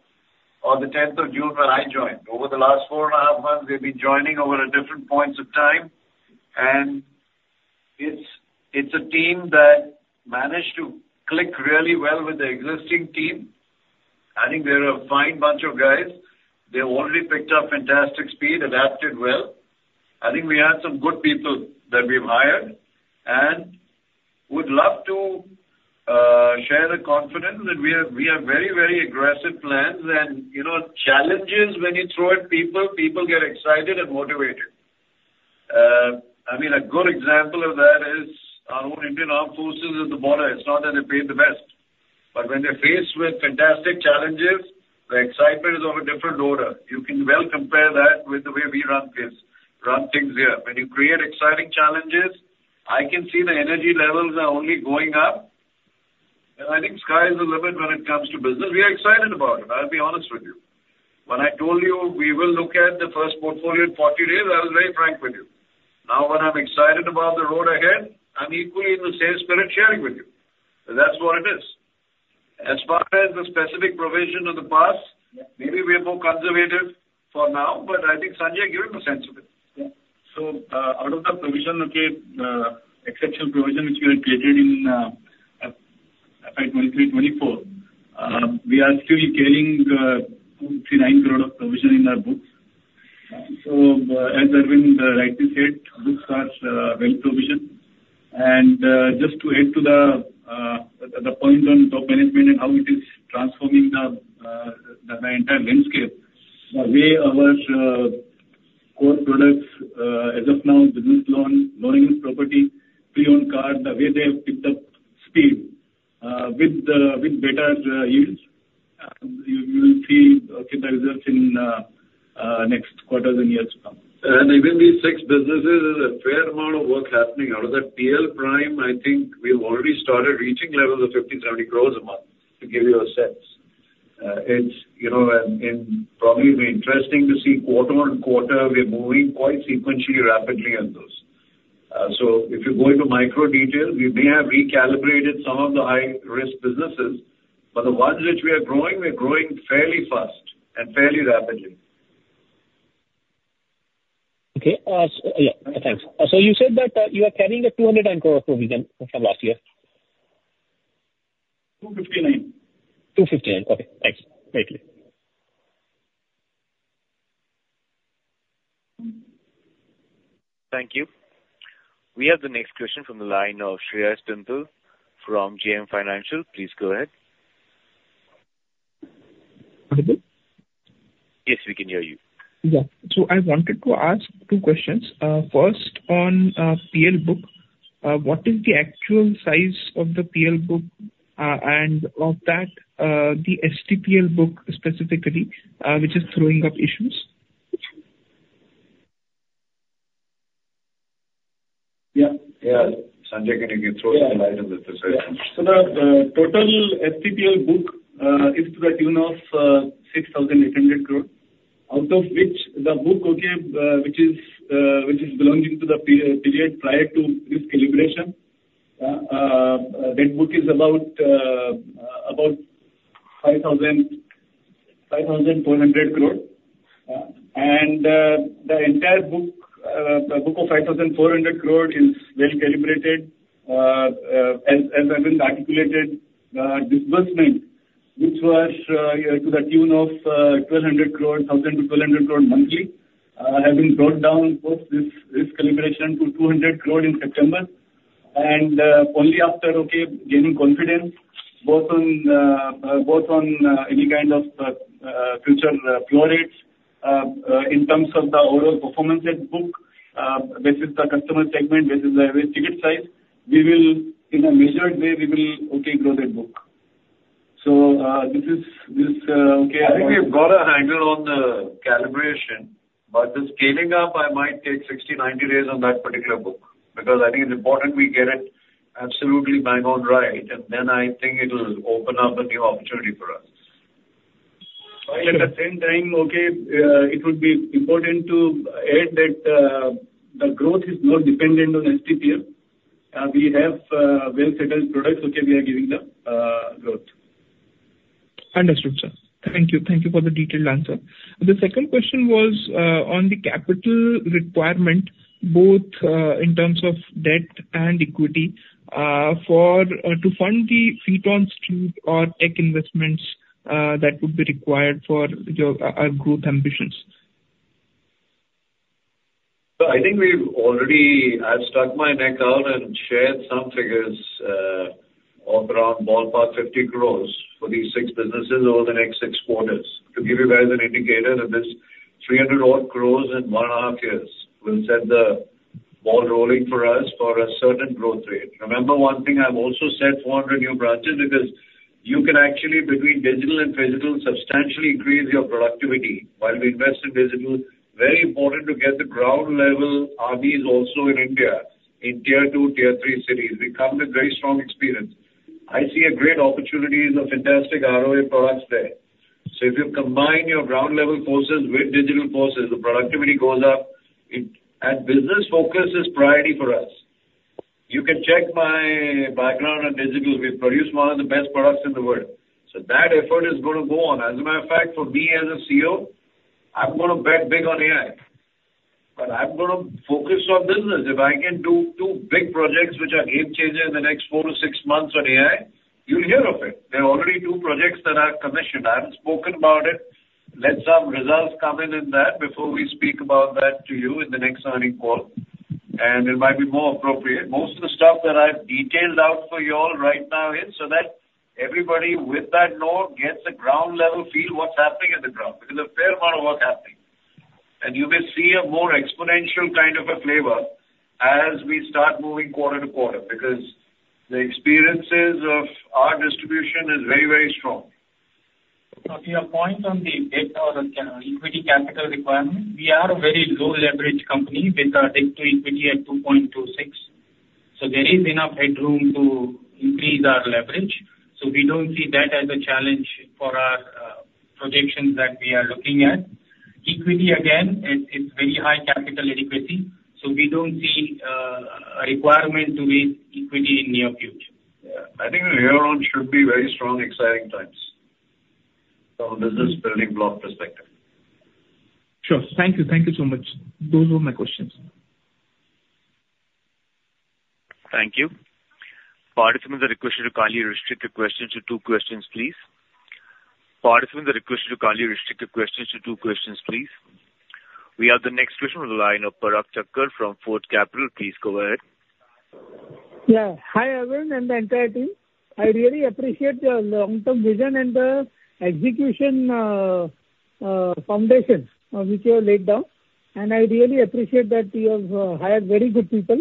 or the tenth of June, when I joined. Over the last four and a half months, they've been joining over at different points of time, and it's a team that managed to click really well with the existing team. I think they're a fine bunch of guys. They've already picked up fantastic speed, adapted well. I think we have some good people that we've hired, and would love to share the confidence that we have. We have very, very aggressive plans and, you know, challenges when you throw at people, people get excited and motivated. I mean, a good example of that is our own Indian Armed Forces at the border. It's not that they're paid the best, but when they're faced with fantastic challenges, the excitement is of a different order. You can well compare that with the way we run this, run things here. When you create exciting challenges, I can see the energy levels are only going up, and I think sky is the limit when it comes to business. We are excited about it, I'll be honest with you. When I told you we will look at the first portfolio in forty days, I was very frank with you. Now, when I'm excited about the road ahead, I'm equally in the same spirit sharing with you. So that's what it is. As far as the specific provision of the past, maybe we are more conservative for now, but I think, Sanjay, give him a sense of it. Yeah. So, out of the provision, okay, exceptional provision which we had created in FY 2023-24, we are still carrying 299 crore of provision in our books. So, as Arvind rightly said, books are well provisioned. And, just to add to the point on top management and how it is transforming the entire landscape, the way our core products, as of now, business loan, loan against property, pre-owned car, the way they have picked up speed with better yields, you will see, okay, the results in next quarters and years to come. And even these six businesses, there's a fair amount of work happening. Out of that PL Prime, I think we've already started reaching levels of 50-70 crores a month, to give you a sense. It's, you know, and probably be interesting to see quarter on quarter, we're moving quite sequentially, rapidly on those. So if you go into micro detail, we may have recalibrated some of the high risk businesses, but the ones which we are growing, we're growing fairly fast and fairly rapidly. Okay. Yeah, thanks. So you said that you are carrying a 209 crore provision from last year? Two fifty-nine. Two fifty-nine. Okay, thanks. Thank you. Thank you. We have the next question from the line of Shreyas Pimple from JM Financial. Please go ahead. Hello? Yes, we can hear you. Yeah. So I wanted to ask two questions. First, on PL book, what is the actual size of the PL book, and of that, the STPL book specifically, which is throwing up issues? Yeah. Yeah. Sanjay, can you throw some light on this as well? Yeah. So the total STPL book is to the tune of 6,800 crore, out of which the book, okay, which is which is belonging to the period prior to risk calibration, that book is about about 5,400 crore. The entire book the book of 5,400 crore is well calibrated as as I've been articulated, disbursement, which was to the tune of 1,200 crore, 1,000 to 1,200 crore monthly, have been brought down post this this calibration to 200 crore in September. Only after gaining confidence both on any kind of future repo rates in terms of the overall performance of the book, this is the customer segment, this is the average ticket size. We will, in a measured way, grow that book. So, this is. I think we've got a handle on the calibration, but the scaling up, I might take 60, 90 days on that particular book, because I think it's important we get it absolutely bang on right, and then I think it'll open up a new opportunity for us. But at the same time, it would be important to add that, the growth is more dependent on STPL. We have well-settled products, which we are giving the growth. Understood, sir. Thank you. Thank you for the detailed answer. The second question was on the capital requirement, both in terms of debt and equity, for to fund the fintech or tech investments that would be required for your growth ambitions. So I think we've already... I've stuck my neck out and shared some figures of around ballpark 50 crores for these six businesses over the next six quarters. To give you guys an indicator, that this 300-odd crores in one and a half years will set the ball rolling for us for a certain growth rate. Remember one thing. I've also said 400 new branches, because you can actually between digital and physical substantially increase your productivity. While we invest in digital, very important to get the ground level RMs also in India, in Tier 2, Tier 3 cities. We come with very strong experience. I see a great opportunities of fantastic ROI products there. So if you combine your ground level forces with digital forces, the productivity goes up. And business focus is priority for us. You can check my background on digital. We produce one of the best products in the world, so that effort is gonna go on. As a matter of fact, for me as a CEO, I'm gonna bet big on AI, but I'm gonna focus on business. If I can do two big projects, which are game changer in the next four to six months on AI, you'll hear of it. There are already two projects that I've commissioned. I haven't spoken about it. Let some results come in, in that, before we speak about that to you in the next earnings call, and it might be more appropriate. Most of the stuff that I've detailed out for you all right now is, so that everybody with that note gets a ground level feel what's happening on the ground, because a fair amount of work happening. You will see a more exponential kind of a flavor as we start moving quarter to quarter, because the experiences of our distribution is very, very strong. So to your point on the debt or equity capital requirement, we are a very low leverage company with our debt-to-equity at 2.26. So there is enough headroom to increase our leverage, so we don't see that as a challenge for our projections that we are looking at. Equity, again, it's very high capital adequacy, so we don't see a requirement to raise equity in near future. Yeah. I think the year ahead should be very strong. Exciting times. So this is building block perspective. Sure. Thank you. Thank you so much. Those were my questions. Thank you. Participants are requested to kindly restrict your questions to two questions, please. We have the next question on the line of Parag Thakkar from Fort Capital. Please go ahead. Yeah. Hi, Arvind, and the entire team. I really appreciate your long-term vision and the execution, foundations, which you have laid down. And I really appreciate that you have hired very good people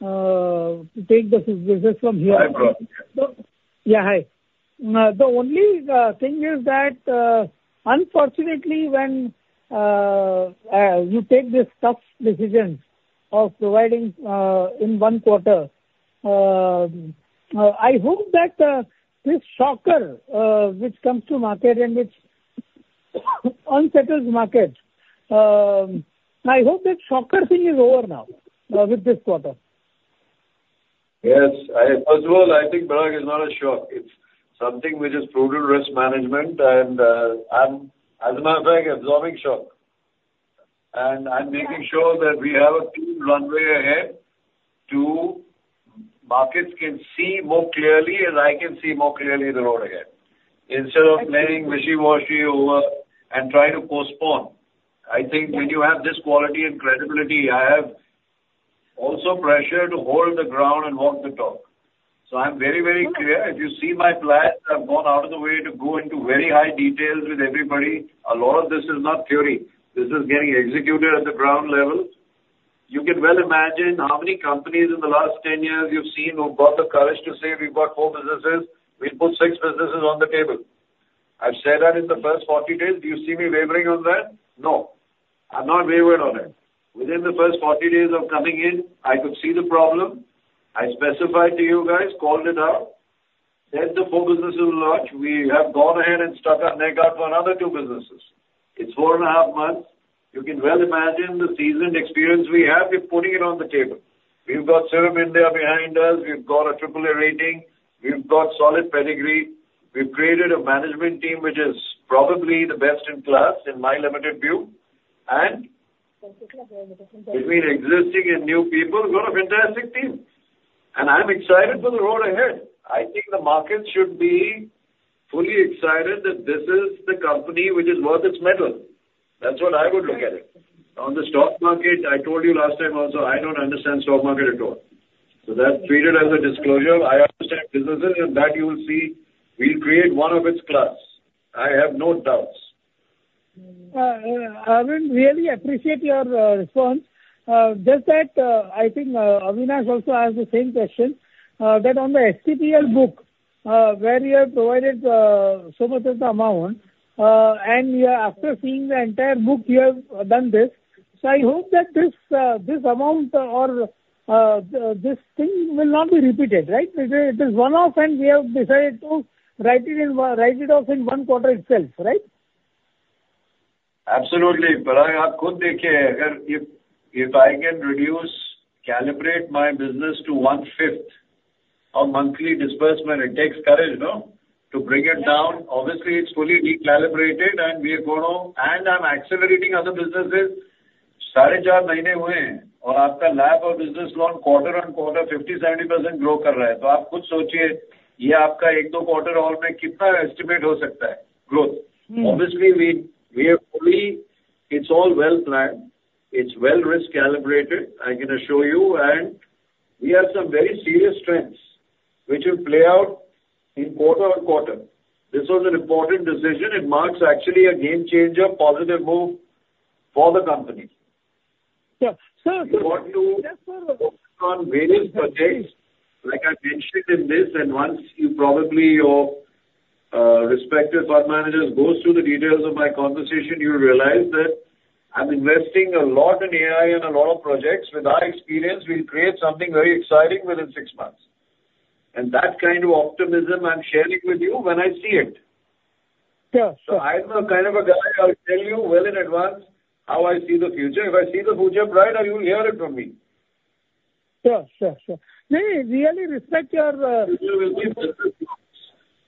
to take the business from here. Hi, Parag. Yeah, hi. The only thing is that, unfortunately, when you take this tough decision of providing in one quarter, I hope that this shocker, which comes to market and which unsettles market, I hope that shocker thing is over now, with this quarter. Yes, first of all, I think, Parag, it's not a shock. It's something which is prudent risk management, and, as a matter of fact, absorbing shock. And I'm making sure that we have a clean runway ahead to markets can see more clearly, and I can see more clearly the road ahead. Thank you. Instead of playing wishy-washy over and trying to postpone, I think when you have this quality and credibility, I have also pressure to hold the ground and walk the talk. So I'm very, very clear. If you see my plans, I've gone out of the way to go into very high details with everybody. A lot of this is not theory. This is getting executed at the ground level. You can well imagine how many companies in the last ten years you've seen who've got the courage to say, "We've got four businesses, we'll put six businesses on the table." I've said that in the first forty days. Do you see me wavering on that? No. I've not wavered on it. Within the first forty days of coming in, I could see the problem. I specified to you guys, called it out, said the four businesses will launch. We have gone ahead and stuck our neck out for another two businesses. It's four and a half months. You can well imagine the seasoned experience we have with putting it on the table. We've got Serum India behind us. We've got a AAA rating. We've got solid pedigree. We've created a management team which is probably the best in class, in my limited view, and between existing and new people, we have a fantastic team! And I'm excited for the road ahead. I think the market should be fully excited that this is the company which is worth its mettle. That's what I would look at it. On the stock market, I told you last time also, I don't understand stock market at all. So that's treated as a disclosure. I understand businesses, and that you will see, we'll create one of its class. I have no doubts. I really appreciate your response. Just that, I think, Avinash also asked the same question, that on the STPL book, where you have provided so much of the amount, and you are after seeing the entire book, you have done this. So I hope that this amount or this thing will not be repeated, right? It is one-off, and we have decided to write it off in one quarter itself, right? Absolutely. But if I can reduce, calibrate my business to one-fifth of monthly disbursement, it takes courage, no? To bring it down. Obviously, it's fully recalibrated and we are going to... And I'm accelerating other businesses. Hmm. Obviously, we are fully. It's all well planned, it's well risk calibrated, I can assure you, and we have some very serious strengths which will play out in quarter on quarter. This was an important decision. It marks actually a game changer, positive move for the company. Yeah. Sir, sir. We want to focus on various projects, like I mentioned in this, and once you probably, your, respective fund managers goes through the details of my conversation, you will realize that I'm investing a lot in AI and a lot of projects. With our experience, we'll create something very exciting within six months, and that kind of optimism, I'm sharing with you when I see it. Sure. So I'm the kind of a guy, I'll tell you well in advance how I see the future. If I see the future bright, you will hear it from me. Sure, sure, sure. We really respect your,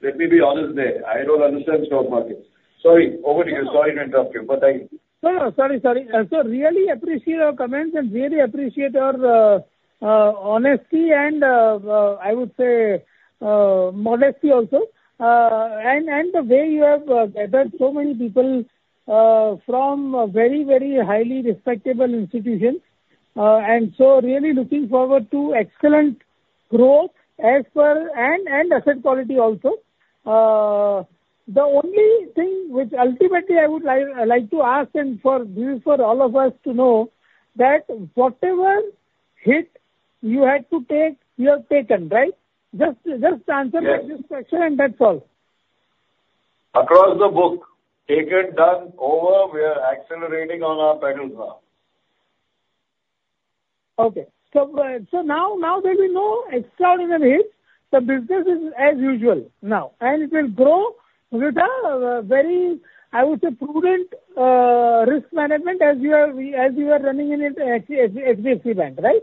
Let me be honest there. I don't understand stock market. Sorry, over to you. Sorry to interrupt you, but thank you. No, no, sorry, sorry. So really appreciate your comments and really appreciate your honesty and I would say modesty also. And the way you have gathered so many people from very, very highly respectable institutions. And so really looking forward to excellent growth as well, and asset quality also. The only thing which ultimately I would like to ask and for, this is for all of us to know, that whatever hit you had to take, you have taken, right? Just answer that question, and that's all. Across the book, taken, done, over. We are accelerating on our pedals now. Okay. So now there will be no extraordinary hits. The business is as usual now, and it will grow with a very, I would say, prudent risk management as you are running in an HDFC Bank, right?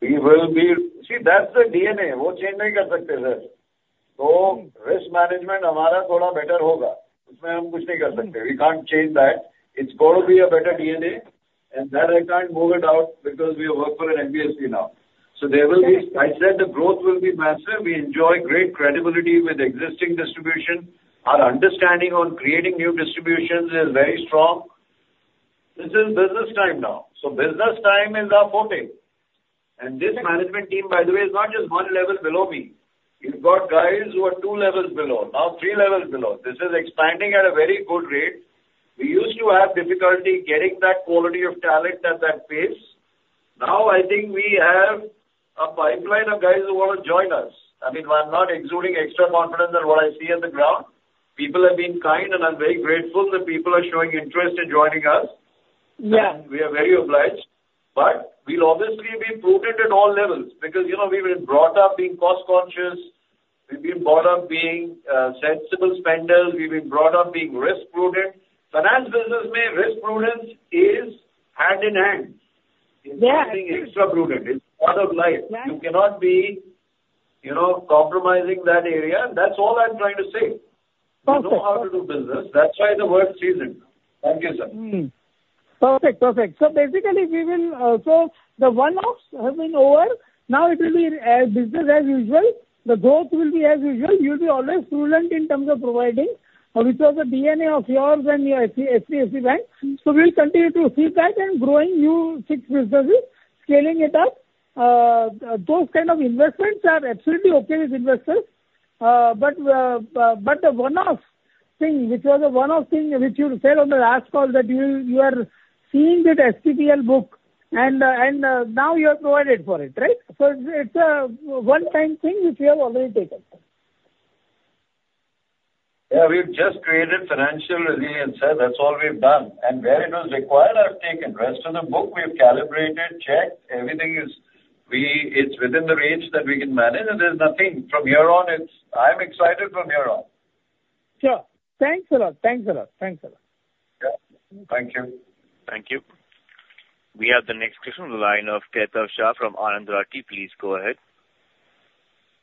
See, that's the DNA. We can't change that, sir. So risk management will be a little better. We can't change that. It's going to be a better DNA, and that I can't move it out because we work for an NBFC now. So there will be- Yes. I said the growth will be massive. We enjoy great credibility with existing distribution. Our understanding on creating new distributions is very strong. This is business time now. So business time is our forte. And this management team, by the way, is not just one level below me. You've got guys who are two levels below, now three levels below. This is expanding at a very good rate. We used to have difficulty getting that quality of talent at that pace. Now, I think we have a pipeline of guys who want to join us. I mean, I'm not exuding extra confidence on what I see on the ground. People have been kind, and I'm very grateful that people are showing interest in joining us. Yeah. We are very obliged, but we'll obviously be prudent at all levels, because, you know, we've been brought up being cost conscious, we've been brought up being sensible spenders, we've been brought up being risk prudent. Finance business risk prudence is hand in hand. Yeah. It's being extra prudent. It's part of life. Yeah. You cannot be, you know, compromising that area. That's all I'm trying to say. Perfect. We know how to do business. That's why the world sees it. Thank you, sir. Hmm. Perfect. Perfect. So basically, we will. So the one-offs have been over. Now, it will be business as usual. The growth will be as usual. You'll be always prudent in terms of providing, which was the DNA of yours and your HDFC Bank. So we'll continue to see that and growing new six businesses, scaling it up. Those kind of investments are absolutely okay with investors. But the one-off thing, which was a one-off thing, which you said on the last call, that you are seeing that STPL book, and now you have provided for it, right? So it's a one-time thing, which we have already taken. Yeah, we've just created financial resilience, sir. That's all we've done. Where it was required, I've taken. Rest of the book, we've calibrated, checked. Everything is within the range that we can manage, and there's nothing. From here on, it's. I'm excited from here on. Sure. Thanks a lot. Thanks a lot. Thanks a lot.... Thank you. Thank you. We have the next question on the line of Kaitav Shah from Anand Rathi. Please go ahead.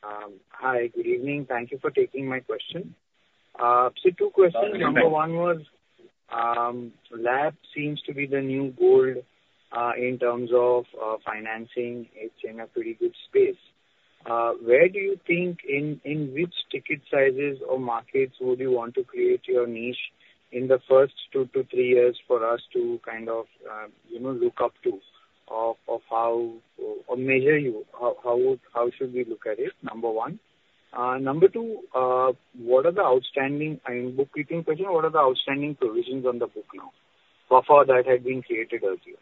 Hi, good evening. Thank you for taking my question. So two questions. Number one was, LAP seems to be the new gold in terms of financing. It's in a pretty good space. Where do you think, in which ticket sizes or markets would you want to create your niche in the first two to three years for us to kind of, you know, look up to, of how or measure you? How should we look at it? Number one. Number two, what are the outstanding, a bookkeeping question, what are the outstanding provisions on the books now? The buffer that had been created earlier.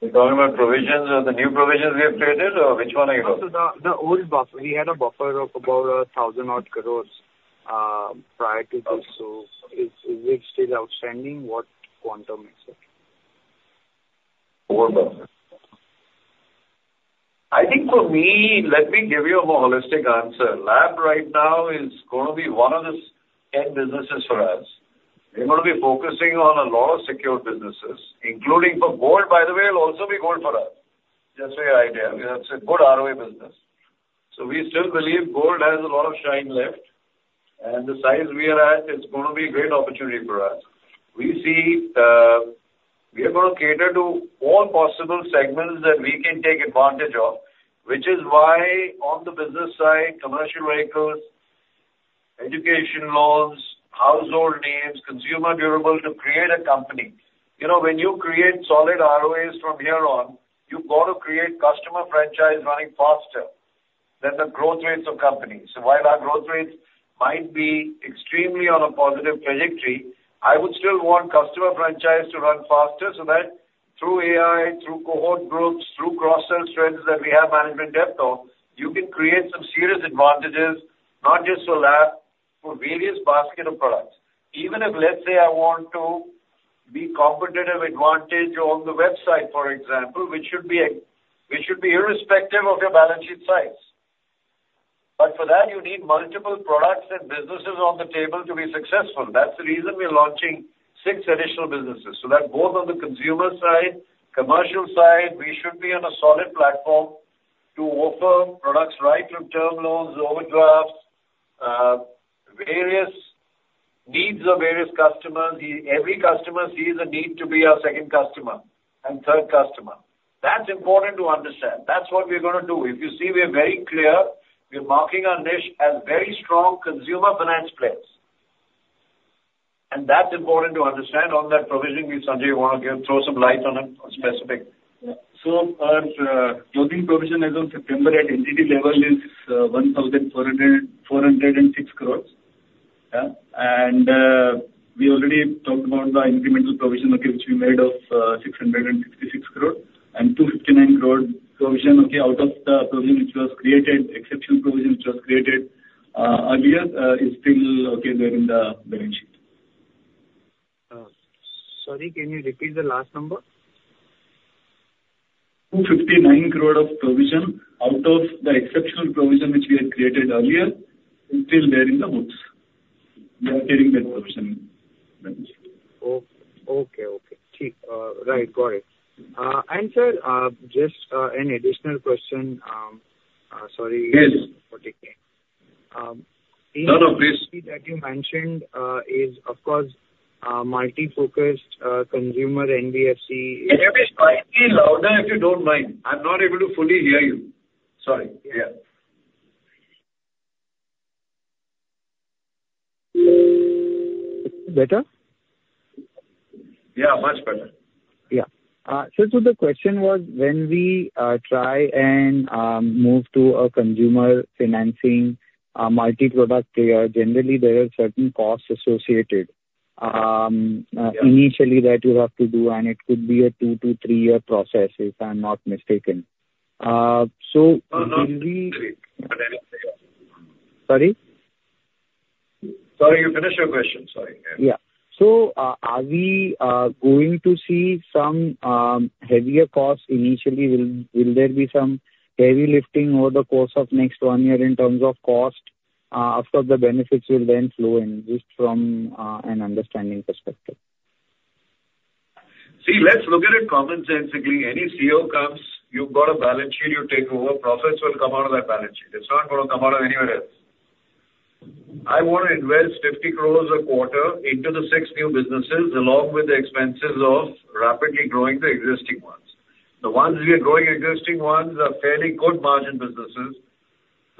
You're talking about provisions or the new provisions we have created, or which one are you talking? The old buffer. We had a buffer of about 1,000 odd crores prior to this. So is it still outstanding? What quantum is it? I think for me, let me give you a more holistic answer. LAP right now is gonna be one of the ten businesses for us. We're gonna be focusing on a lot of secured businesses, including for gold, by the way, will also be gold for us. Just so your idea, it's a good ROA business. So we still believe gold has a lot of shine left, and the size we are at, it's gonna be a great opportunity for us. We see, we are gonna cater to all possible segments that we can take advantage of, which is why on the business side, commercial vehicles, education loans, housing loans, consumer durable, to create a company. You know, when you create solid ROAs from here on, you've got to create customer franchise running faster than the growth rates of companies. So while our growth rates might be extremely on a positive trajectory, I would still want customer franchise to run faster, so that through AI, through cohort groups, through cross-sell strengths that we have management depth on, you can create some serious advantages, not just for LAP, for various basket of products. Even if, let's say, I want to be competitive advantage on the website, for example, which should be, which should be irrespective of your balance sheet size. But for that, you need multiple products and businesses on the table to be successful. That's the reason we're launching six additional businesses, so that both on the consumer side, commercial side, we should be on a solid platform to offer products, right to term loans, overdrafts, various needs of various customers. Every customer sees a need to be our second customer and third customer. That's important to understand. That's what we're gonna do. If you see, we are very clear, we're marking our niche as very strong consumer finance players, and that's important to understand on that provision. Sanjay, you want to throw some light on it, specifically? Yeah, so our closing provision as of September at entity level is 1,406 crores. Yeah, and we already talked about the incremental provision, okay, which we made of 666 crore and 259 crore provision, okay, out of the provision which was created. Exceptional provision which was created earlier is still okay there in the balance sheet. Sorry, can you repeat the last number? 259 crore of provision out of the exceptional provision which we had created earlier, is still there in the books. We are carrying that provision. Oh, okay, okay. Right, got it. And sir, just an additional question, sorry- Yes. Um. No, no, please. That you mentioned is, of course, multi-focused consumer NBFC. Can you please slightly louder, if you don't mind? I'm not able to fully hear you. Sorry. Yeah. Better? Yeah, much better. Yeah. So the question was, when we try and move to a consumer financing multi-product player, generally there are certain costs associated. Yeah. Initially that you have to do, and it could be a two to three-year process, if I'm not mistaken. So will we- Uh, no. Sorry? Sorry, you finish your question. Sorry. Yeah. So, are we going to see some heavier costs initially? Will there be some heavy lifting over the course of next one year in terms of cost? After the benefits will then flow in, just from an understanding perspective. See, let's look at it commonsensically. Any CEO comes, you've got a balance sheet, you take over, profits will come out of that balance sheet. It's not gonna come out of anywhere else. I want to invest 50 crores a quarter into the six new businesses, along with the expenses of rapidly growing the existing ones. The ones we are growing, existing ones, are fairly good margin businesses.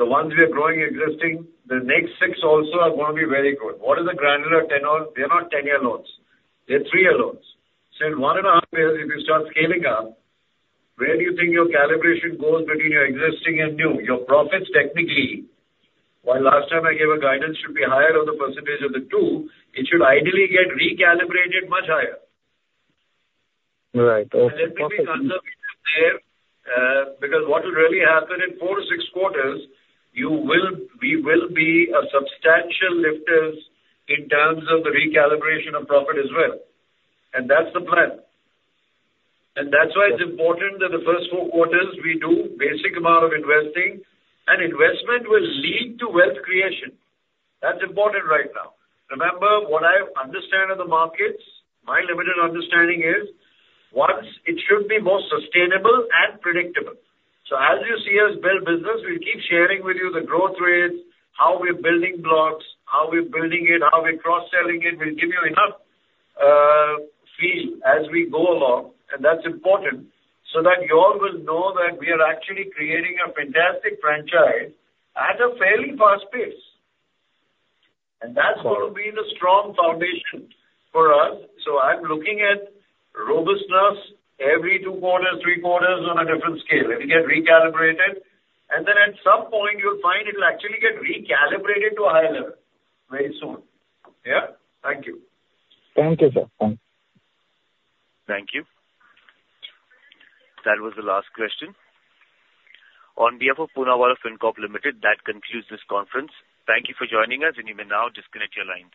The ones we are growing existing, the next six also are gonna be very good. What is the granular tenure? They're not ten-year loans, they're three-year loans. So in one and a half years, if you start scaling up, where do you think your calibration goes between your existing and new? Your profits, technically, while last time I gave a guidance, should be higher on the percentage of the two, it should ideally get recalibrated much higher. Right. Okay. Let me be conservative there, because what will really happen in four to six quarters, we will be a substantial lifters in terms of the recalibration of profit as well, and that's the plan. That's why it's important that the first four quarters we do basic amount of investing, and investment will lead to wealth creation. That's important right now. Remember, what I understand of the markets, my limited understanding is, once it should be more sustainable and predictable. As you see us build business, we'll keep sharing with you the growth rates, how we're building blocks, how we're building it, how we're cross-selling it. We'll give you enough feel as we go along, and that's important, so that you all will know that we are actually creating a fantastic franchise at a fairly fast pace. And that's gonna be the strong foundation for us. So I'm looking at robustness every two quarters, three quarters on a different scale, it will get recalibrated, and then at some point, you'll find it'll actually get recalibrated to a higher level very soon. Yeah? Thank you. Thank you, sir. Thank you. That was the last question. On behalf of Poonawalla Fincorp Limited, that concludes this conference. Thank you for joining us, and you may now disconnect your lines.